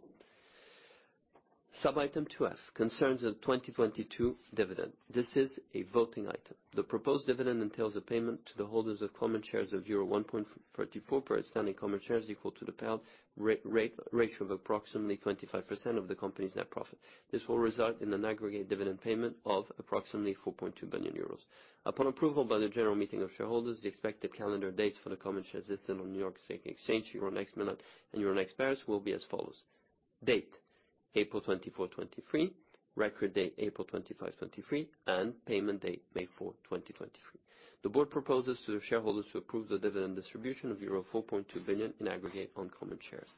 S1: Sub-item 2.f. concerns the 2022 dividend. This is a voting item. The proposed dividend entails a payment to the holders of common shares of euro 1.34 per outstanding common shares equal to the payout ratio of approximately 25% of the company's net profit. This will result in an aggregate dividend payment of approximately 4.2 billion euros. Upon approval by the general meeting of shareholders, the expected calendar dates for the common shares listed on New York Stock Exchange, Euronext Milan, and Euronext Paris will be as follows. Date, April 24, 2023. Record date, April 25, 2023. Payment date, May 4, 2023. The board proposes to the shareholders to approve the dividend distribution of euro 4.2 billion in aggregate on common shares.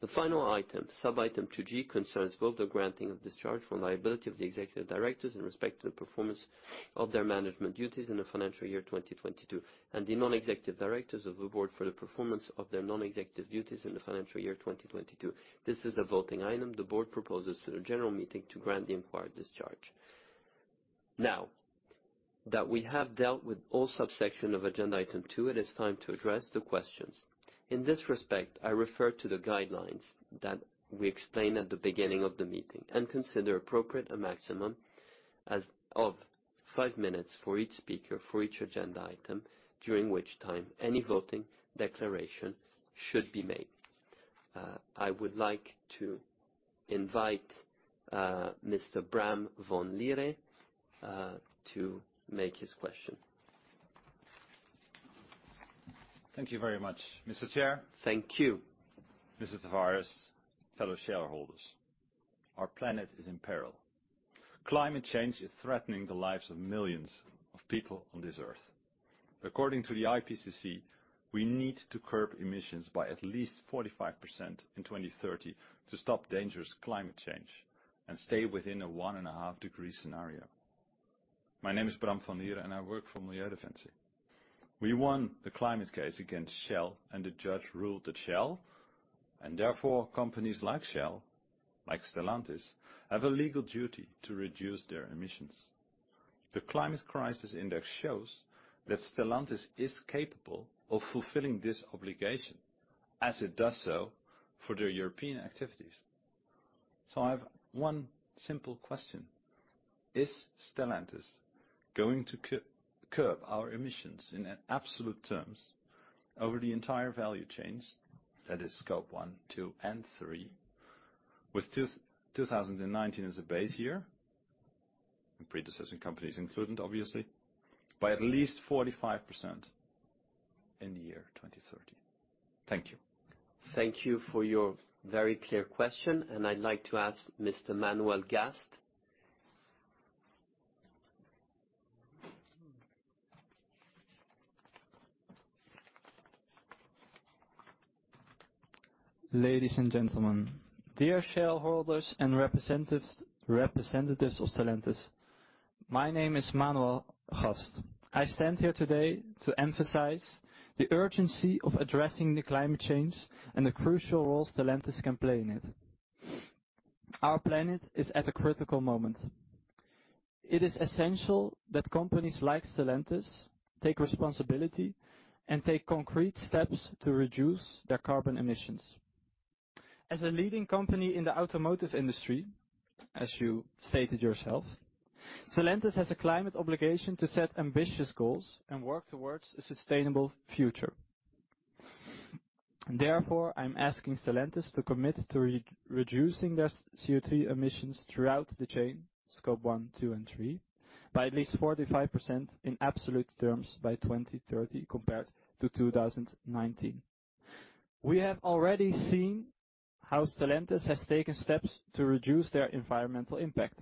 S1: The final item, sub-item 2.g., concerns both the granting of discharge for liability of the executive directors in respect to the performance of their management duties in the financial year 2022, and the non-executive directors of the board for the performance of their non-executive duties in the financial year 2022. This is a voting item. The board proposes to the general meeting to grant the inquired discharge. Now, that we have dealt with all subsection of agenda item two, it is time to address the questions. In this respect, I refer to the guidelines that we explained at the beginning of the meeting and consider appropriate a maximum as of five minutes for each speaker, for each agenda item, during which time any voting declaration should be made. I would like to invite Mr. Bram van Liere to make his question.
S3: Thank you very much, Mr. Chair.
S1: Thank you.
S3: Mr. Tavares, fellow shareholders. Our planet is in peril. Climate change is threatening the lives of millions of people on this earth. According to the IPCC, we need to curb emissions by at least 45% in 2030 to stop dangerous climate change and stay within a 1.5-degree scenario. My name is Bram van Liere, and I work for Milieudefensie. We won the climate case against Shell, and the judge ruled that Shell, and therefore companies like Shell, like Stellantis, have a legal duty to reduce their emissions. The Climate Crisis Index shows that Stellantis is capable of fulfilling this obligation as it does so for the European activities. I have one simple question. Is Stellantis going to curb our emissions in absolute terms over the entire value chains, that is scope one, two, and three, with 2019 as a base year, predecessor companies included obviously, by at least 45% in the year 2030? Thank you.
S1: Thank you for your very clear question, and I'd like to ask Mr. Manuel Gast.
S4: Ladies and gentlemen, dear shareholders and representatives of Stellantis, my name is Manuel Gast. I stand here today to emphasize the urgency of addressing the climate change and the crucial role Stellantis can play in it. Our planet is at a critical moment. It is essential that companies like Stellantis take responsibility and take concrete steps to reduce their carbon emissions. As a leading company in the automotive industry, as you stated yourself, Stellantis has a climate obligation to set ambitious goals and work towards a sustainable future. I'm asking Stellantis to commit to reducing their CO2 emissions throughout the chain, Scope one, two, and three, by at least 45% in absolute terms by 2030 compared to 2019. We have already seen how Stellantis has taken steps to reduce their environmental impact,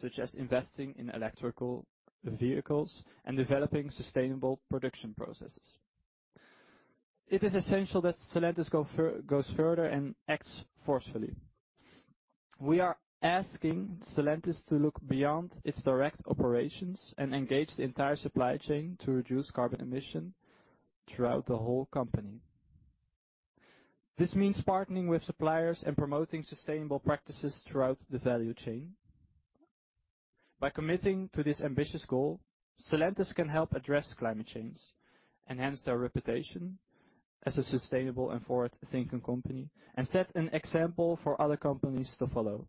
S4: such as investing in electric vehicles and developing sustainable production processes. It is essential that Stellantis goes further and acts forcefully. We are asking Stellantis to look beyond its direct operations and engage the entire supply chain to reduce carbon emission throughout the whole company. This means partnering with suppliers and promoting sustainable practices throughout the value chain. By committing to this ambitious goal, Stellantis can help address climate change, enhance their reputation as a sustainable and forward-thinking company, and set an example for other companies to follow.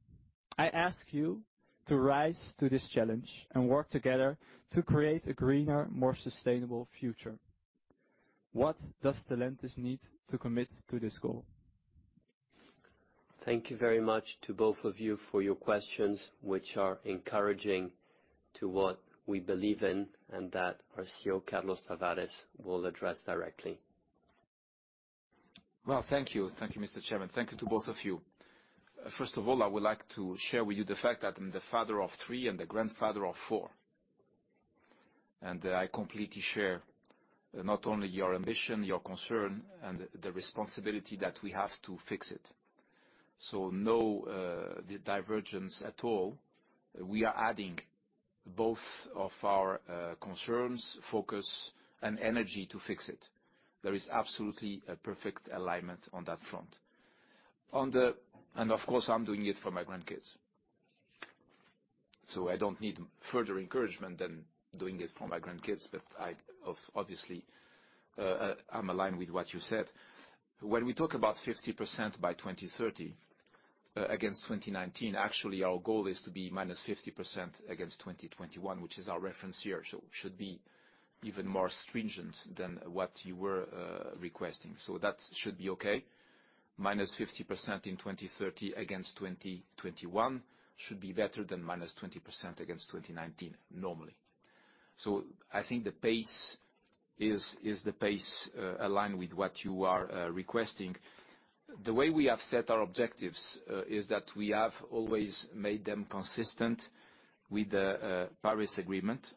S4: I ask you to rise to this challenge and work together to create a greener, more sustainable future. What does Stellantis need to commit to this goal?
S1: Thank you very much to both of you for your questions, which are encouraging to what we believe in, and that our CEO, Carlos Tavares, will address directly.
S2: Well, thank you. Thank you, Mr. Chairman. Thank you to both of you. First of all, I would like to share with you the fact that I'm the father of three and the grandfather of four. I completely share not only your ambition, your concern, and the responsibility that we have to fix it. No divergence at all. We are adding both of our concerns, focus, and energy to fix it. There is absolutely a perfect alignment on that front. Of course, I'm doing it for my grandkids, so I don't need further encouragement than doing it for my grandkids. I obviously, I'm aligned with what you said. When we talk about 50% by 2030 against 2019, actually our goal is to be -50% against 2021, which is our reference year. Should be even more stringent than what you were requesting. That should be okay. -50% in 2030 against 2021 should be better than -20% against 2019, normally. I think the pace is the pace aligned with what you are requesting. The way we have set our objectives is that we have always made them consistent with the Paris Agreement,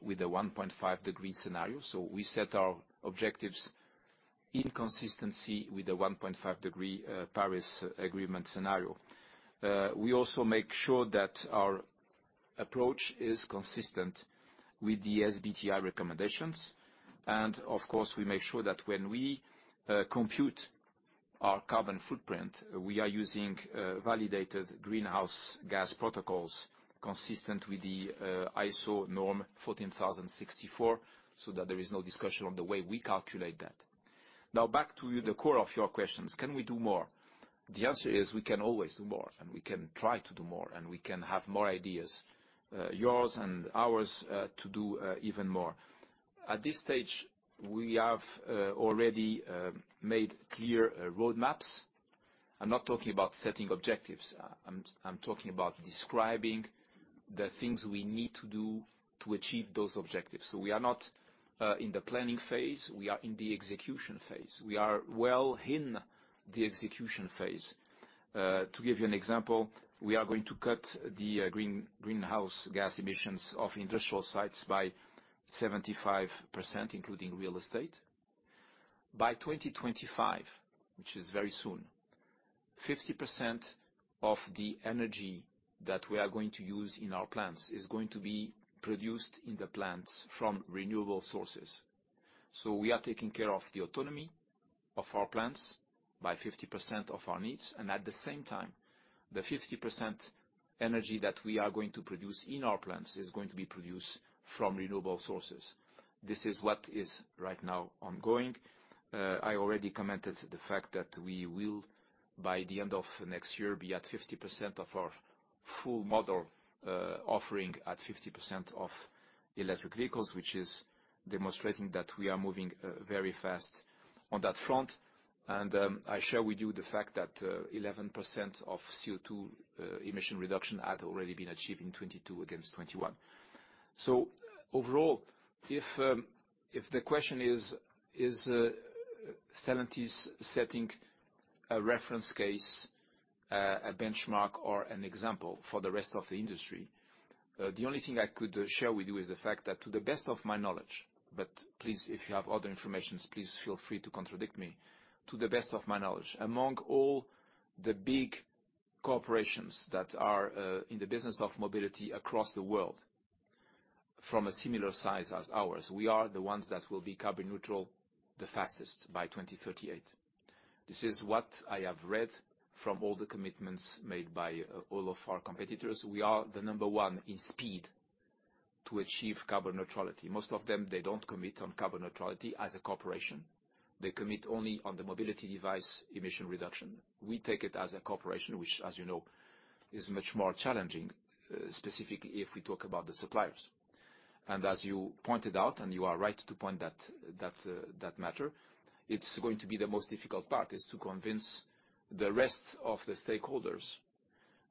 S2: with the 1.5 degree scenario. We set our objectives in consistency with the 1.5 degree Paris Agreement scenario. We also make sure that our approach is consistent with the SBTi recommendations. Of course, we make sure that when we compute our carbon footprint, we are using validated greenhouse gas protocols consistent with the ISO 14064, so that there is no discussion on the way we calculate that. Back to the core of your questions. Can we do more? The answer is, we can always do more, and we can try to do more, and we can have more ideas, yours and ours, to do even more. At this stage, we have already made clear road maps. I'm not talking about setting objectives. I'm talking about describing the things we need to do to achieve those objectives. We are not in the planning phase. We are in the execution phase. We are well in the execution phase. To give you an example, we are going to cut the greenhouse gas emissions of industrial sites by 75%, including real estate. By 2025, which is very soon, 50% of the energy that we are going to use in our plants is going to be produced in the plants from renewable sources. We are taking care of the autonomy of our plants by 50% of our needs, and at the same time, the 50% energy that we are going to produce in our plants is going to be produced from renewable sources. This is what is right now ongoing. I already commented the fact that we will, by the end of next year, be at 50% of our full model offering at 50% of electric vehicles, which is demonstrating that we are moving very fast on that front. I share with you the fact that 11% of CO2 emission reduction had already been achieved in 2022 against 2021. Overall, if the question is Stellantis setting a reference case, a benchmark or an example for the rest of the industry, the only thing I could share with you is the fact that to the best of my knowledge, but please, if you have other informations, please feel free to contradict me. To the best of my knowledge, among all the big corporations that are in the business of mobility across the world from a similar size as ours, we are the ones that will be carbon neutral the fastest by 2038. This is what I have read from all the commitments made by all of our competitors. We are the number one in speed to achieve carbon neutrality. Most of them, they don't commit on carbon neutrality as a corporation. They commit only on the mobility device emission reduction. We take it as a corporation, which, as you know, is much more challenging, specifically if we talk about the suppliers. As you pointed out, and you are right to point that matter, it's going to be the most difficult part, is to convince the rest of the stakeholders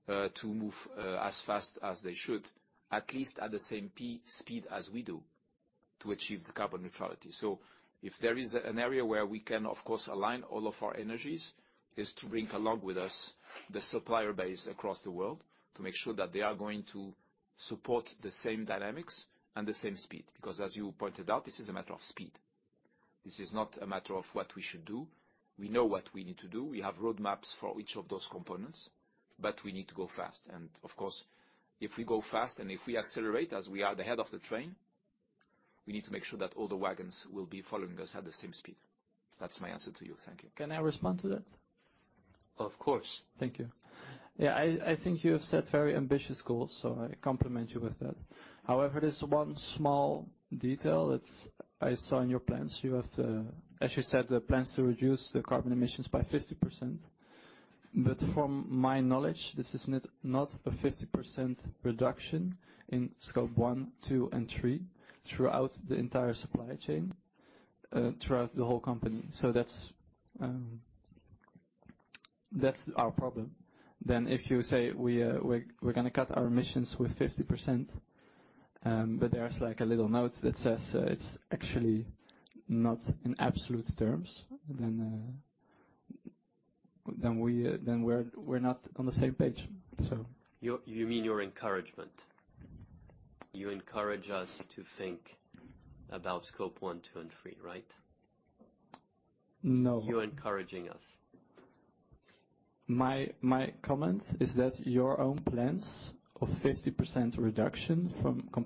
S2: to move as fast as they should, at least at the same speed as we do to achieve the carbon neutrality. If there is an area where we can, of course, align all of our energies, is to bring along with us the supplier base across the world to make sure that they are going to support the same dynamics and the same speed. As you pointed out, this is a matter of speed. This is not a matter of what we should do. We know what we need to do. We have roadmaps for each of those components, but we need to go fast. Of course, if we go fast and if we accelerate as we are the head of the train. We need to make sure that all the wagons will be following us at the same speed. That's my answer to you. Thank you.
S4: Can I respond to that?
S2: Of course.
S4: Thank you. I think you have set very ambitious goals, I compliment you with that. There's one small detail. I saw in your plans, as you said, the plans to reduce the carbon emissions by 50%. From my knowledge, this is not a 50% reduction in scope one, two, and three throughout the entire supply chain, throughout the whole company. That's our problem. If you say we're gonna cut our emissions with 50%, but there's, like, a little note that says that it's actually not in absolute terms, then we're not on the same page.
S2: You mean your encouragement? You encourage us to think about scope one, two, and three, right?
S4: No.
S2: You're encouraging us.
S4: My comment is that your own plans of 50% reduction from a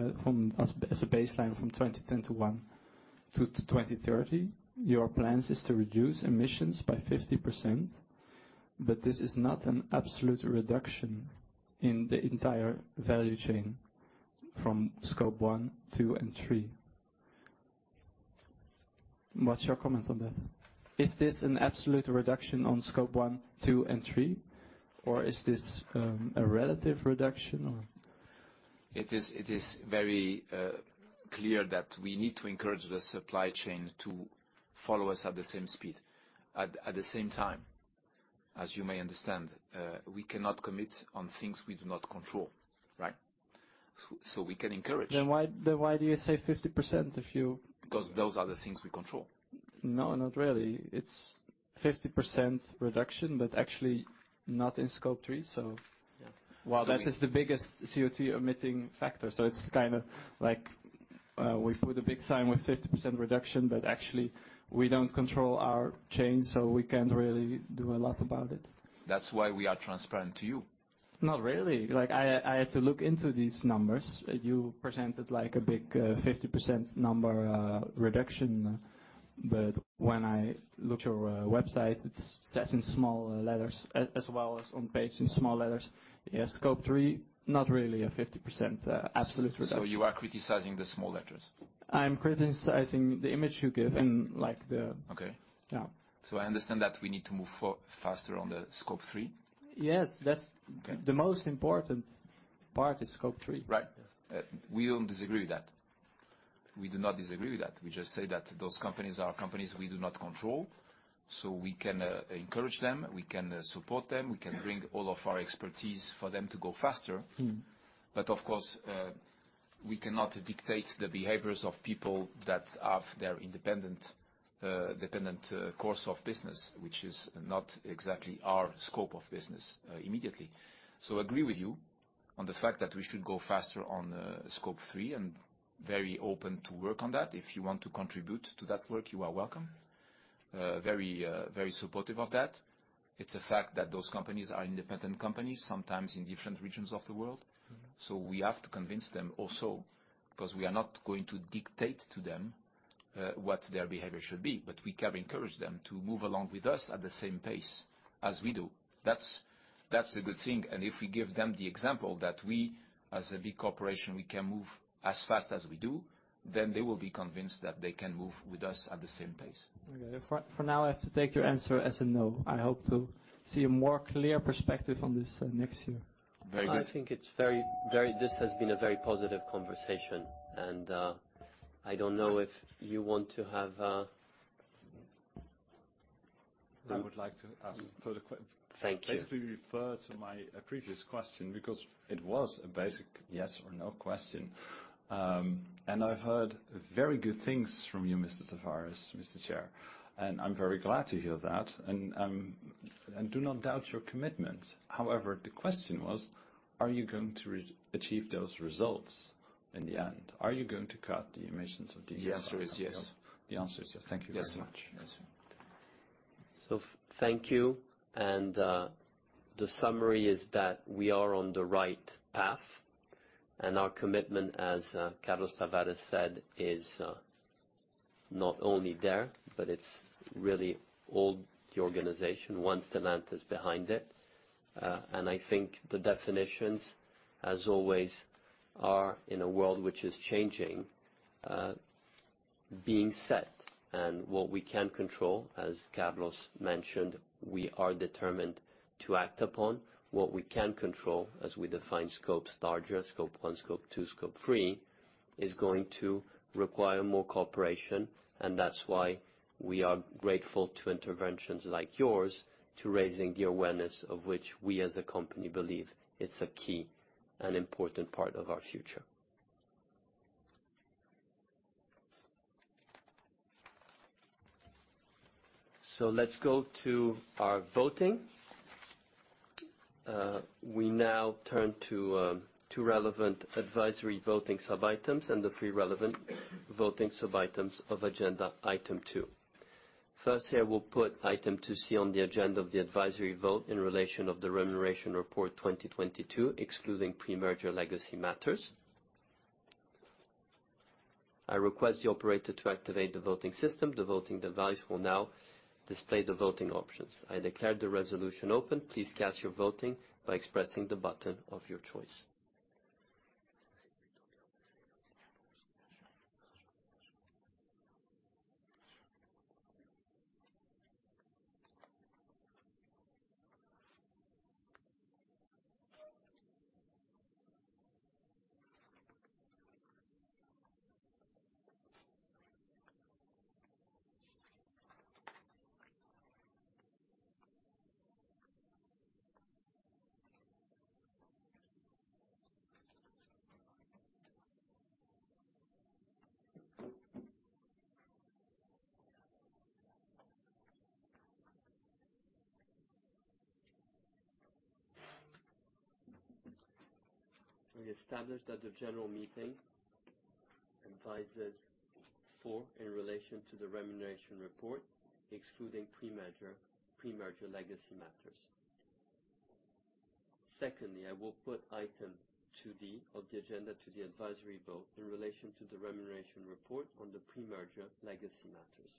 S4: baseline from 2010 to 2030, your plans is to reduce emissions by 50%. This is not an absolute reduction in the entire value chain from scope one, two, and three. What's your comment on that? Is this an absolute reduction on scope one, two, and three, or is this a relative reduction or?
S2: It is very clear that we need to encourage the supply chain to follow us at the same speed. At the same time, as you may understand, we cannot commit on things we do not control, right? We can encourage.
S4: Why do you say 50%?
S2: Those are the things we control.
S4: No, not really. It's 50% reduction, but actually not in scope three. While that is the biggest CO2 emitting factor, it's kinda like, we put a big sign with 50% reduction, but actually we don't control our chain, we can't really do a lot about it.
S2: That's why we are transparent to you.
S4: Not really. Like, I had to look into these numbers. You presented, like, a big 50% number reduction. But when I looked your website, it's set in small letters, as well as on page in small letters. Yeah, scope three, not really a 50% absolute reduction.
S2: You are criticizing the small letters?
S4: I'm criticizing the image you give in, like, the...
S2: Okay.
S4: Yeah.
S2: I understand that we need to move faster on the scope three?
S4: Yes.
S2: Okay.
S4: The most important part is scope three.
S2: Right. We don't disagree with that. We do not disagree with that. We just say that those companies are companies we do not control. We can encourage them, we can support them, we can bring all of our expertise for them to go faster.
S4: Mm-hmm.
S2: Of course, we cannot dictate the behaviors of people that have their independent course of business, which is not exactly our scope of business immediately. Agree with you on the fact that we should go faster on scope three and very open to work on that. If you want to contribute to that work, you are welcome. Very supportive of that. It's a fact that those companies are independent companies, sometimes in different regions of the world.
S4: Mm-hmm.
S2: We have to convince them also, 'cause we are not going to dictate to them what their behavior should be. We can encourage them to move along with us at the same pace as we do. That's a good thing. If we give them the example that we, as a big corporation, we can move as fast as we do, then they will be convinced that they can move with us at the same pace.
S4: Okay. For now, I have to take your answer as a no. I hope to see a more clear perspective on this next year.
S2: Very good.
S1: I think it's very, very... This has been a very positive conversation, and I don't know if you want to have...
S3: I would like to ask further que-
S1: Thank you.
S3: Basically refer to my previous question because it was a basic yes or no question. I've heard very good things from you, Mr. Tavares, Mr. Chair, and I'm very glad to hear that and do not doubt your commitment. However, the question was, are you going to re-achieve those results in the end? Are you going to cut the emissions of these.
S2: The answer is yes.
S3: The answer is yes. Thank you very much. Yes, sir.
S1: Thank you, the summary is that we are on the right path, and our commitment, as Carlos Tavares said, is not only there, but it's really all the organization once Stellantis is behind it. I think the definitions, as always, are in a world which is changing, being set. What we can control, as Carlos mentioned, we are determined to act upon. What we can control, as we define scopes larger, scope one, scope two, scope three, is going to require more cooperation, and that's why we are grateful to interventions like yours to raising the awareness of which we as a company believe is a key and important part of our future. Let's go to our voting. We now turn to two relevant advisory voting sub-items and the three relevant voting sub-items of agenda item two. First, I will put item 2.c on the agenda of the advisory vote in relation of the remuneration report 2022, excluding pre-merger legacy matters. I request the operator to activate the voting system. The voting device will now display the voting options. I declare the resolution open. Please cast your voting by expressing the button of your choice. I establish that the general meeting advises for in relation to the remuneration report, excluding pre-merger legacy matters. Secondly, I will put item 2.d. of the agenda to the advisory vote in relation to the remuneration report on the pre-merger legacy matters.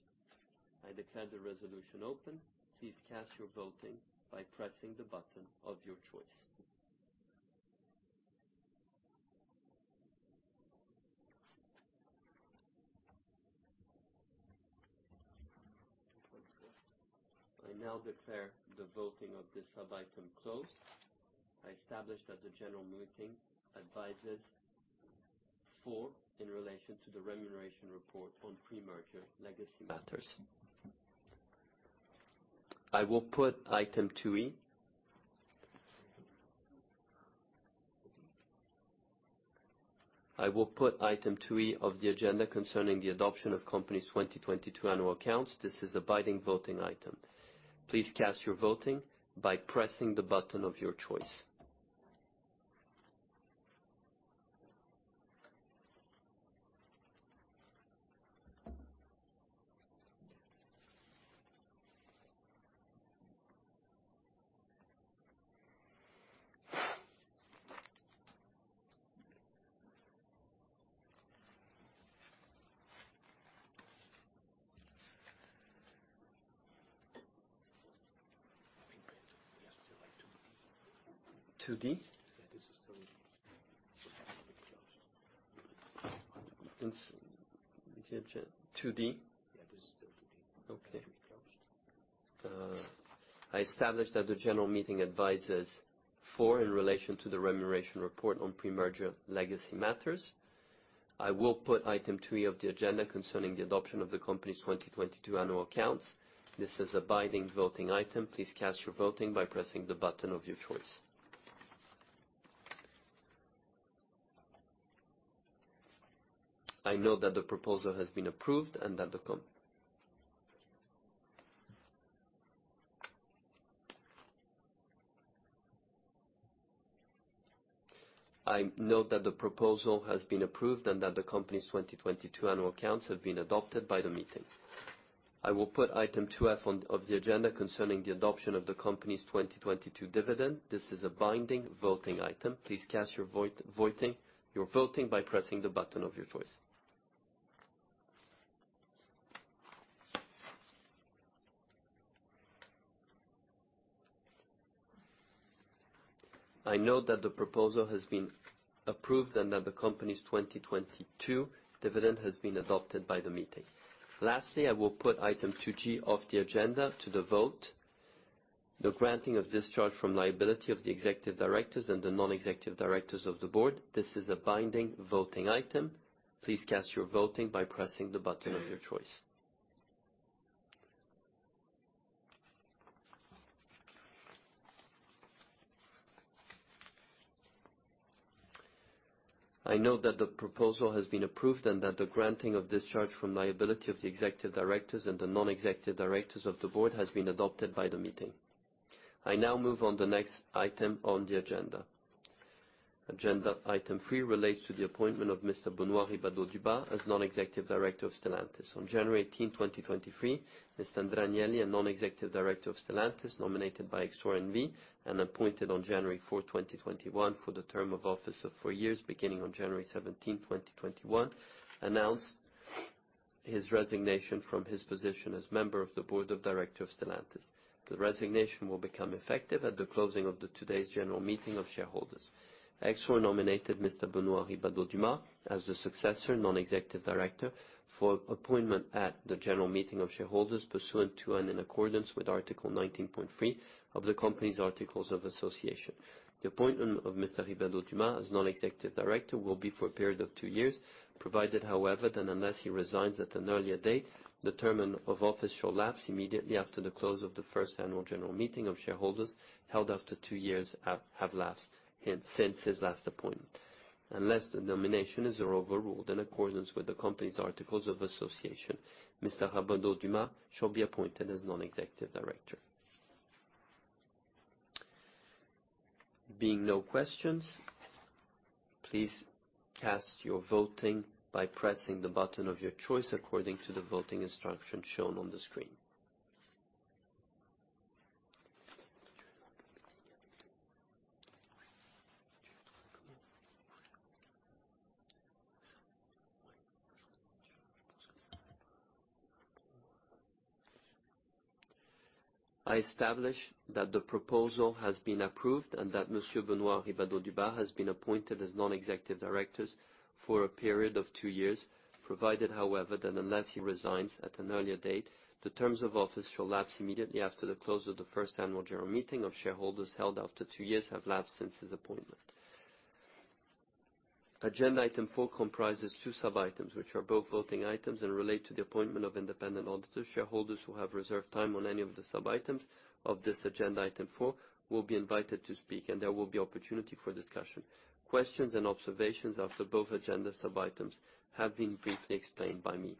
S1: I declare the resolution open. Please cast your voting by pressing the button of your choice. I now declare the voting of this sub-item closed. I establish that the general meeting advises for in relation to the remuneration report on pre-merger legacy matters. I will put item 2.e. of the agenda concerning the adoption of company's 2022 annual accounts. This is a binding voting item. Please cast your voting by pressing the button of your choice. 2.d.? Yeah, this is still 2.d. 2.d.? Yeah, this is still 2.d. Okay. I establish that the general meeting advises for in relation to the remuneration report on pre-merger legacy matters. I will put item 2.e. of the agenda concerning the adoption of the company's 2022 annual accounts. This is a binding voting item. Please cast your voting by pressing the button of your choice. I note that the proposal has been approved and that the. I note that the proposal has been approved and that the company's 2022 annual accounts have been adopted by the meeting. I will put item 2.f. on, of the agenda concerning the adoption of the company's 2022 dividend. This is a binding voting item. Please cast your voting by pressing the button of your choice. I note that the proposal has been approved and that the company's 2022 dividend has been adopted by the meeting. Lastly, I will put item 2.g. of the agenda to the vote. The granting of discharge from liability of the executive directors and the non-executive directors of the board. This is a binding voting item. Please cast your voting by pressing the button of your choice. I note that the proposal has been approved and that the granting of discharge from liability of the executive directors and the non-executive directors of the board has been adopted by the meeting. I now move on the next item on the agenda. Agenda item three relates to the appointment of Mr. Benoît Ribadeau-Dumas as Non-executive Director of Stellantis. On January 18, 2023, Mr. Andrea Agnelli, a Non-executive Director of Stellantis, nominated by Exor N.V. and appointed on January 4, 2021, for the term of office of four years, beginning on January 17, 2021, announced his resignation from his position as member of the Board of Director of Stellantis. The resignation will become effective at the closing of the today's general meeting of shareholders. Exor nominated Mr. Benoît Ribadeau-Dumas as the successor non-executive director for appointment at the general meeting of shareholders, pursuant to and in accordance with Article 19.3 of the company's articles of association. The appointment of Mr. Ribadeau-Dumas as non-executive director will be for a period of two years, provided, however, that unless he resigns at an earlier date, the term of office shall lapse immediately after the close of the first annual general meeting of shareholders held after two years have lapsed in, since his last appointment. Unless the nomination is overruled in accordance with the company's articles of association, Mr. Ribadeau-Dumas shall be appointed as Non-executive Director. There being no questions, please cast your voting by pressing the button of your choice according to the voting instructions shown on the screen. I establish that the proposal has been approved and that Monsieur Benoît Ribadeau-Dumas has been appointed as non-executive directors for a period of two years, provided, however, that unless he resigns at an earlier date, the terms of office shall lapse immediately after the close of the first annual general meeting of shareholders held after two years have lapsed since his appointment. Agenda item four comprises two sub-items, which are both voting items and relate to the appointment of independent auditors. Shareholders who have reserved time on any of the sub-items of this agenda item four will be invited to speak, and there will be opportunity for discussion. Questions and observations after both agenda sub-items have been briefly explained by me.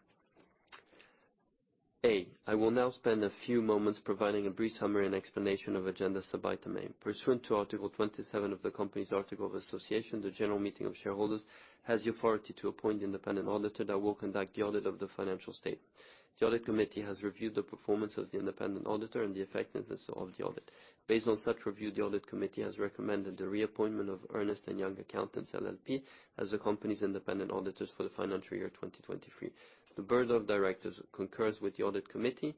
S1: I will now spend a few moments providing a brief summary and explanation of agenda sub-item A. Pursuant to Article 27 of the company's Article of Association, the general meeting of shareholders has the authority to appoint the independent auditor that will conduct the audit of the financial statement. The audit committee has reviewed the performance of the independent auditor and the effectiveness of the audit. Based on such review, the audit committee has recommended the reappointment of Ernst & Young Accountants LLP as the company's independent auditors for the financial year 2023. The Board of Directors concurs with the audit committee's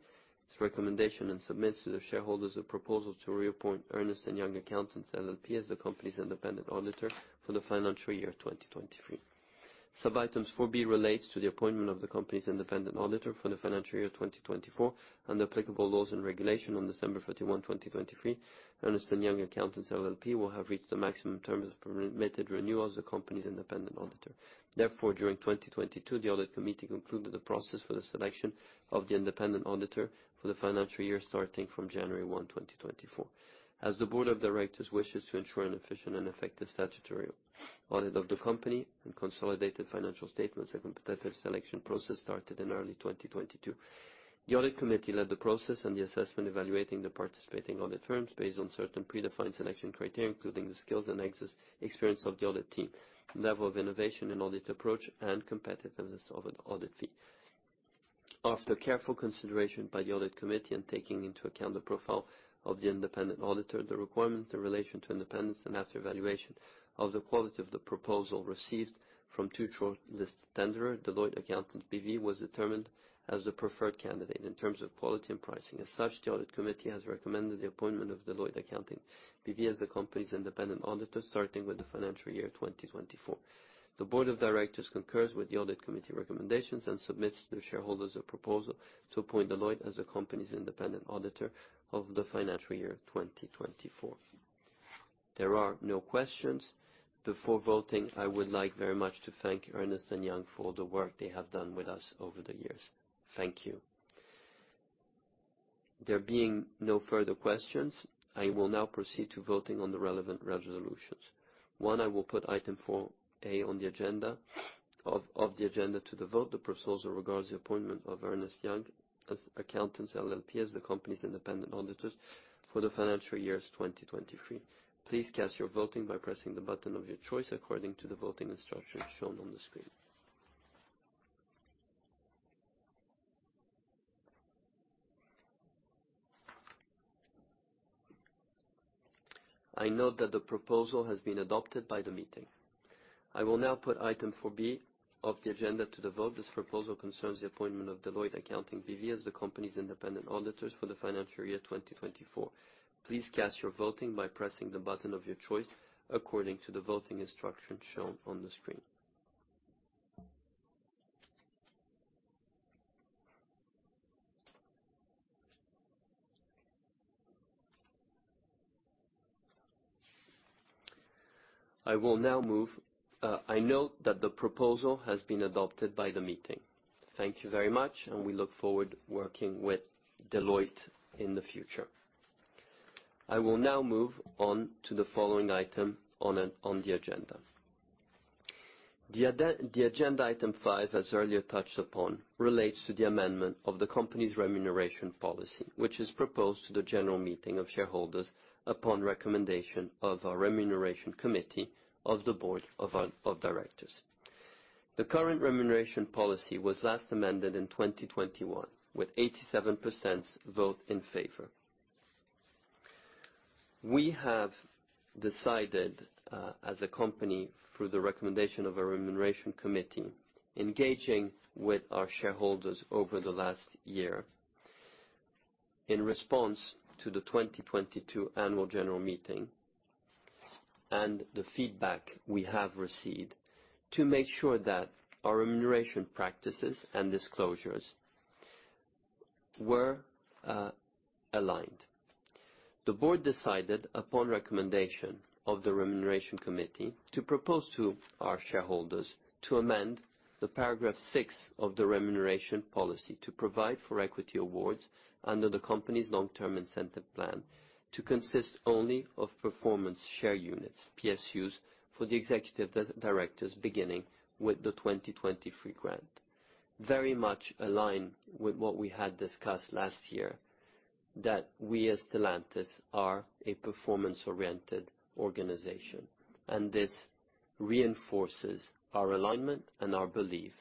S1: recommendation and submits to their shareholders a proposal to reappoint Ernst & Young Accountants LLP as the company's independent auditor for the financial year 2023. Sub-items 4.b. relates to the appointment of the company's independent auditor for the financial year 2024 and applicable laws and regulation on December 31, 2023. Ernst & Young Accountants LLP will have reached the maximum terms for permitted renewals as the company's independent auditor. Therefore, during 2022, the audit committee concluded the process for the selection of the independent auditor for the financial year starting from January 1, 2024. As the board of directors wishes to ensure an efficient and effective statutory audit of the company and consolidated financial statements, a competitive selection process started in early 2022. The audit committee led the process and the assessment evaluating the participating audit firms based on certain predefined selection criteria, including the skills and experience of the audit team, level of innovation and audit approach, and competitiveness of an audit fee. After careful consideration by the audit committee and taking into account the profile of the independent auditor, the requirement in relation to independence, and after evaluation of the quality of the proposal received from two shortlist tenderer, Deloitte Accountants B.V. was determined as the preferred candidate in terms of quality and pricing. As such, the audit committee has recommended the appointment of Deloitte Accountants B.V. as the company's independent auditor, starting with the financial year 2024. The Board of Directors concurs with the audit committee recommendations and submits to the shareholders a proposal to appoint Deloitte as the company's independent auditor of the financial year 2024. There are no questions. Before voting, I would like very much to thank Ernst & Young for all the work they have done with us over the years. Thank you. There being no further questions, I will now proceed to voting on the relevant resolutions. One. I will put item 4.a. on the agenda to the vote. The proposal regards the appointment of Ernst & Young Accountants LLP as the company's independent auditors for the financial years 2023. Please cast your voting by pressing the button of your choice according to the voting instructions shown on the screen. I note that the proposal has been adopted by the meeting. I will now put item 4.b. of the agenda to the vote. This proposal concerns the appointment of Deloitte Accountants B.V. as the company's independent auditors for the financial year 2024. Please cast your voting by pressing the button of your choice according to the voting instruction shown on the screen. I note that the proposal has been adopted by the meeting. Thank you very much. We look forward working with Deloitte in the future. I will now move on to the following item on the agenda. The agenda item five, as earlier touched upon, relates to the amendment of the company's remuneration policy, which is proposed to the general meeting of shareholders upon recommendation of our remuneration committee of the Board of Directors. The current remuneration policy was last amended in 2021, with 87% vote in favor. We have decided, as a company, through the recommendation of our remuneration committee, engaging with our shareholders over the last year in response to the 2022 annual general meeting and the feedback we have received to make sure that our remuneration practices and disclosures were aligned. The board decided, upon recommendation of the remuneration committee, to propose to our shareholders to amend the paragraph six of the remuneration policy to provide for equity awards under the company's long-term incentive plan to consist only of performance share units, PSUs, for the executive directors beginning with the 2023 grant. Very much align with what we had discussed last year, that we as Stellantis are a performance-oriented organization. This reinforces our alignment and our belief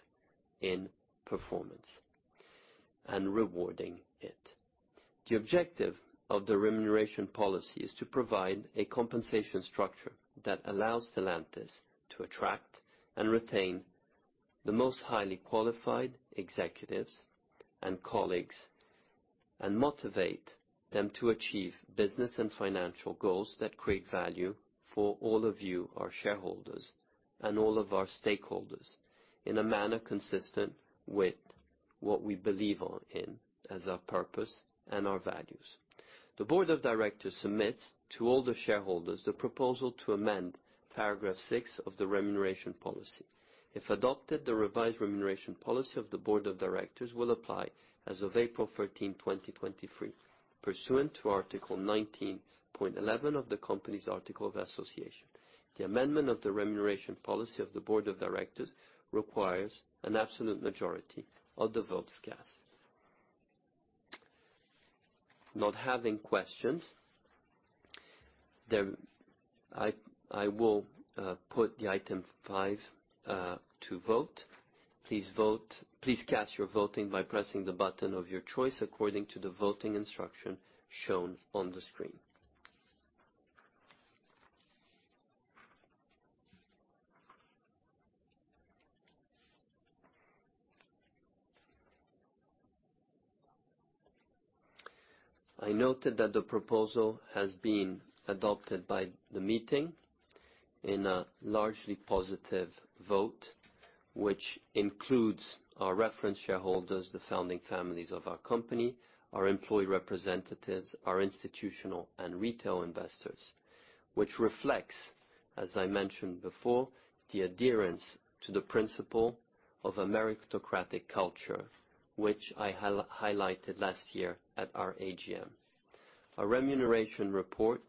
S1: in performance and rewarding it. The objective of the remuneration policy is to provide a compensation structure that allows Stellantis to attract and retain the most highly qualified executives and colleagues, and motivate them to achieve business and financial goals that create value for all of you, our shareholders, and all of our stakeholders, in a manner consistent with what we believe on in as our purpose and our values. The Board of Directors submits to all the shareholders the proposal to amend paragraph six of the remuneration policy. If adopted, the revised remuneration policy of the board of directors will apply as of April 13, 2023, pursuant to Article 19.11 of the company's Article of Association. The amendment of the remuneration policy of the board of directors requires an absolute majority of the votes cast. Not having questions, I will put the item five to vote. Please cast your voting by pressing the button of your choice according to the voting instruction shown on the screen. I noted that the proposal has been adopted by the meeting in a largely positive vote, which includes our reference shareholders, the founding families of our company, our employee representatives, our institutional and retail investors. Which reflects, as I mentioned before, the adherence to the principle of a meritocratic culture, which I highlighted last year at our AGM. Our remuneration report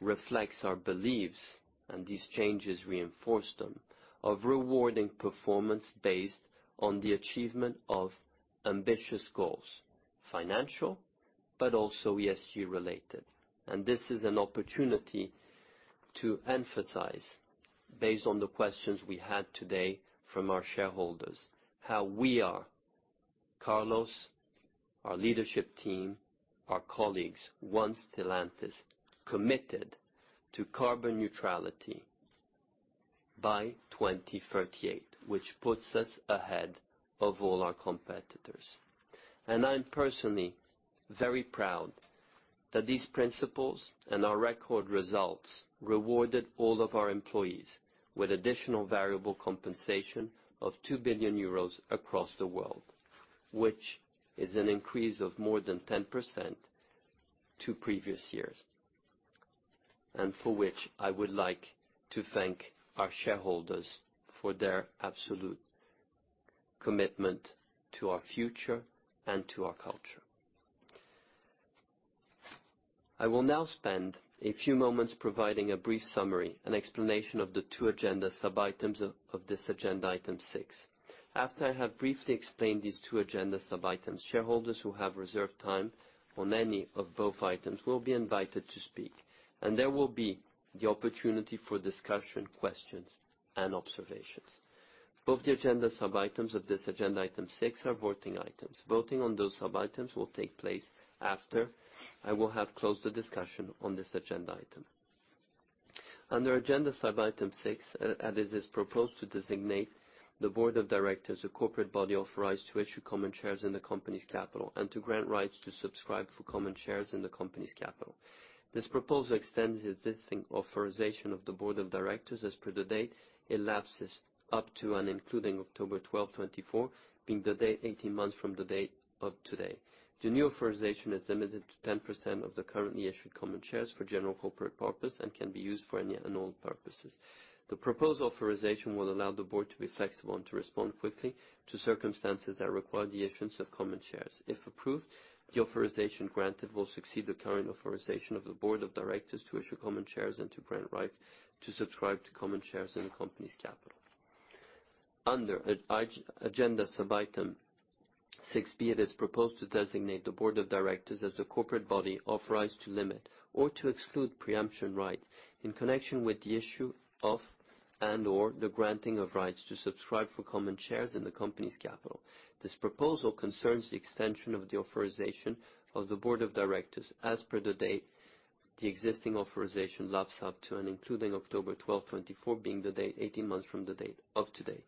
S1: reflects our beliefs, and these changes reinforce them, of rewarding performance based on the achievement of ambitious goals, financial, but also ESG-related. This is an opportunity to emphasize, based on the questions we had today from our shareholders, how we are, Carlos, our leadership team, our colleagues, one Stellantis, committed to carbon neutrality by 2038, which puts us ahead of all our competitors. I'm personally very proud that these principles and our record results rewarded all of our employees with additional variable compensation of 2 billion euros across the world, which is an increase of more than 10% to previous years. For which I would like to thank our shareholders for their absolute commitment to our future and to our culture. I will now spend a few moments providing a brief summary and explanation of the two agenda sub-items of this agenda item six. After I have briefly explained these two agenda sub-items, shareholders who have reserved time on any of both items will be invited to speak, and there will be the opportunity for discussion, questions, and observations. Both the agenda sub-items of this agenda item six are voting items. Voting on those sub-items will take place after I will have closed the discussion on this agenda item. Under agenda sub-item six, it is proposed to designate the board of directors a corporate body authorized to issue common shares in the company's capital and to grant rights to subscribe for common shares in the company's capital. This proposal extends the existing authorization of the board of directors as per the date it lapses up to and including October 12, 2024, being the date 18 months from the date of today. The new authorization is limited to 10% of the currently issued common shares for general corporate purpose and can be used for any and all purposes. The proposed authorization will allow the board to be flexible and to respond quickly to circumstances that require the issuance of common shares. If approved, the authorization granted will succeed the current authorization of the Board of Directors to issue common shares and to grant rights to subscribe to common shares in the company's capital. Under agenda sub-item 6.b., it is proposed to designate the board of directors as the corporate body authorized to limit or to exclude preemption rights in connection with the issue of and/or the granting of rights to subscribe for common shares in the company's capital. This proposal concerns the extension of the authorization of the board of directors as per the date the existing authorization lapses up to and including October 12, 2024, being the date 18 months from the date of today.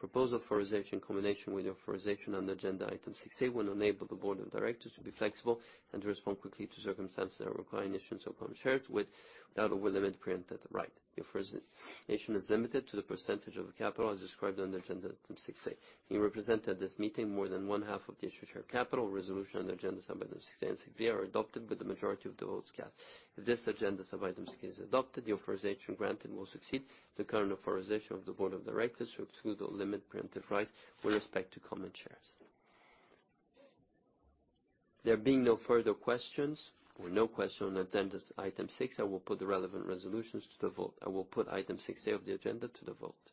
S1: Proposed authorization, combination with the authorization on the agenda item 6.a. will enable the board of directors to be flexible and to respond quickly to circumstances requiring issuance of common shares without or with limit preemptive right. The authorization is limited to the percentage of the capital as described under agenda item 6.a. Being represented at this meeting, more than one half of the issued share capital resolution on the agenda sub-item 6.a. and 6.b. are adopted with the majority of the votes cast. If this agenda sub-item 6 is adopted, the authorization granted will succeed the current authorization of the board of directors to exclude or limit preemptive rights with respect to common shares. There being no further questions or no question on the agenda's item six, I will put the relevant resolutions to the vote. I will put item 6.a. of the agenda to the vote.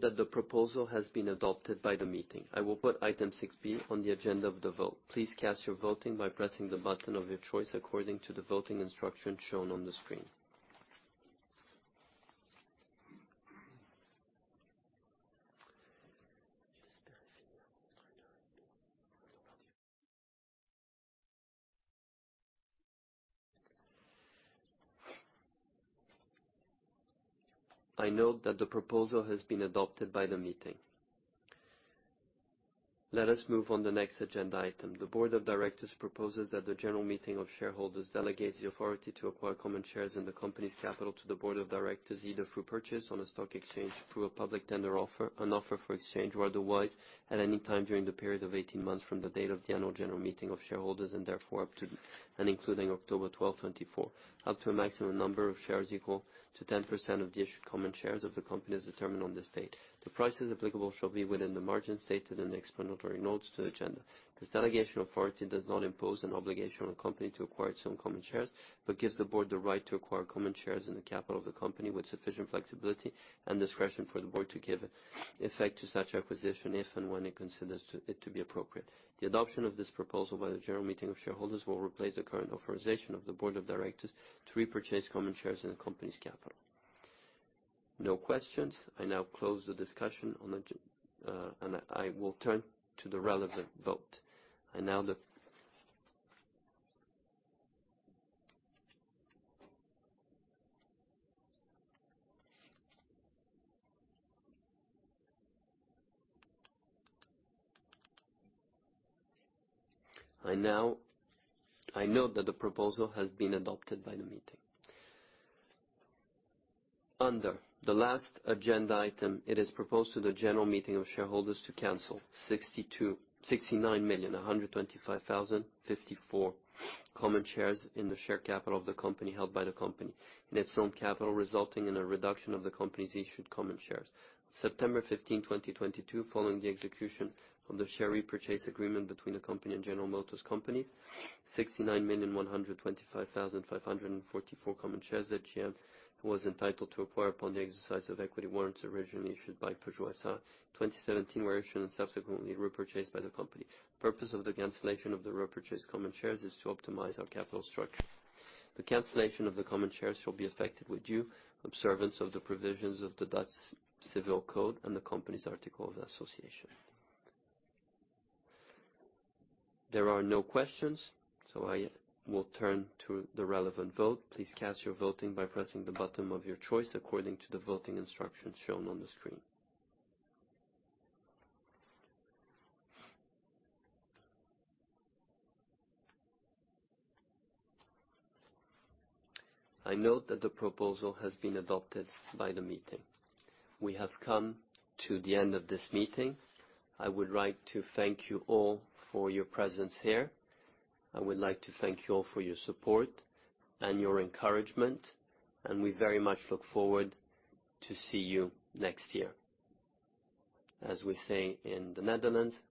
S1: I note that the proposal has been adopted by the meeting. I will put item 6.b. on the agenda of the vote. Please cast your voting by pressing the button of your choice according to the voting instructions shown on the screen. I note that the proposal has been adopted by the meeting. Let us move on the next agenda item. The Board of Directors proposes that the general meeting of shareholders delegate the authority to acquire common shares in the company's capital to the Board of Directors, either through purchase on a stock exchange, through a public tender offer, an offer for exchange or otherwise, at any time during the period of 18 months from the date of the annual general meeting of shareholders, and therefore up to and including October 12, 2024, up to a maximum number of shares equal to 10% of the issued common shares of the company as determined on this date. The prices applicable shall be within the margin stated in the explanatory notes to the agenda. This delegation authority does not impose an obligation on a company to acquire its own common shares, but gives the board the right to acquire common shares in the capital of the company with sufficient flexibility and discretion for the board to give effect to such acquisition if and when it considers to it to be appropriate. The adoption of this proposal by the general meeting of shareholders will replace the current authorization of the Board of Directors to repurchase common shares in the company's capital. No questions. I now close the discussion on the gen--, and I will turn to the relevant vote. I now note that the proposal has been adopted by the meeting. Under the last agenda item, it is proposed to the general meeting of shareholders to cancel 69,125,054 common shares in the share capital of the company held by the company in its own capital, resulting in a reduction of the company's issued common shares. September 15, 2022, following the execution of the share repurchase agreement between the company and General Motors Company, 69,125,544 common shares that GM was entitled to acquire upon the exercise of equity warrants originally issued by Peugeot S.A. 2017 were issued and subsequently repurchased by the company. Purpose of the cancellation of the repurchased common shares is to optimize our capital structure. The cancellation of the common shares shall be effective with due observance of the provisions of the Dutch Civil Code and the company's articles of association. There are no questions. I will turn to the relevant vote. Please cast your voting by pressing the button of your choice according to the voting instructions shown on the screen. I note that the proposal has been adopted by the meeting. We have come to the end of this meeting. I would like to thank you all for your presence here. I would like to thank you all for your support and your encouragement. We very much look forward to see you next year. As we say in the Netherlands,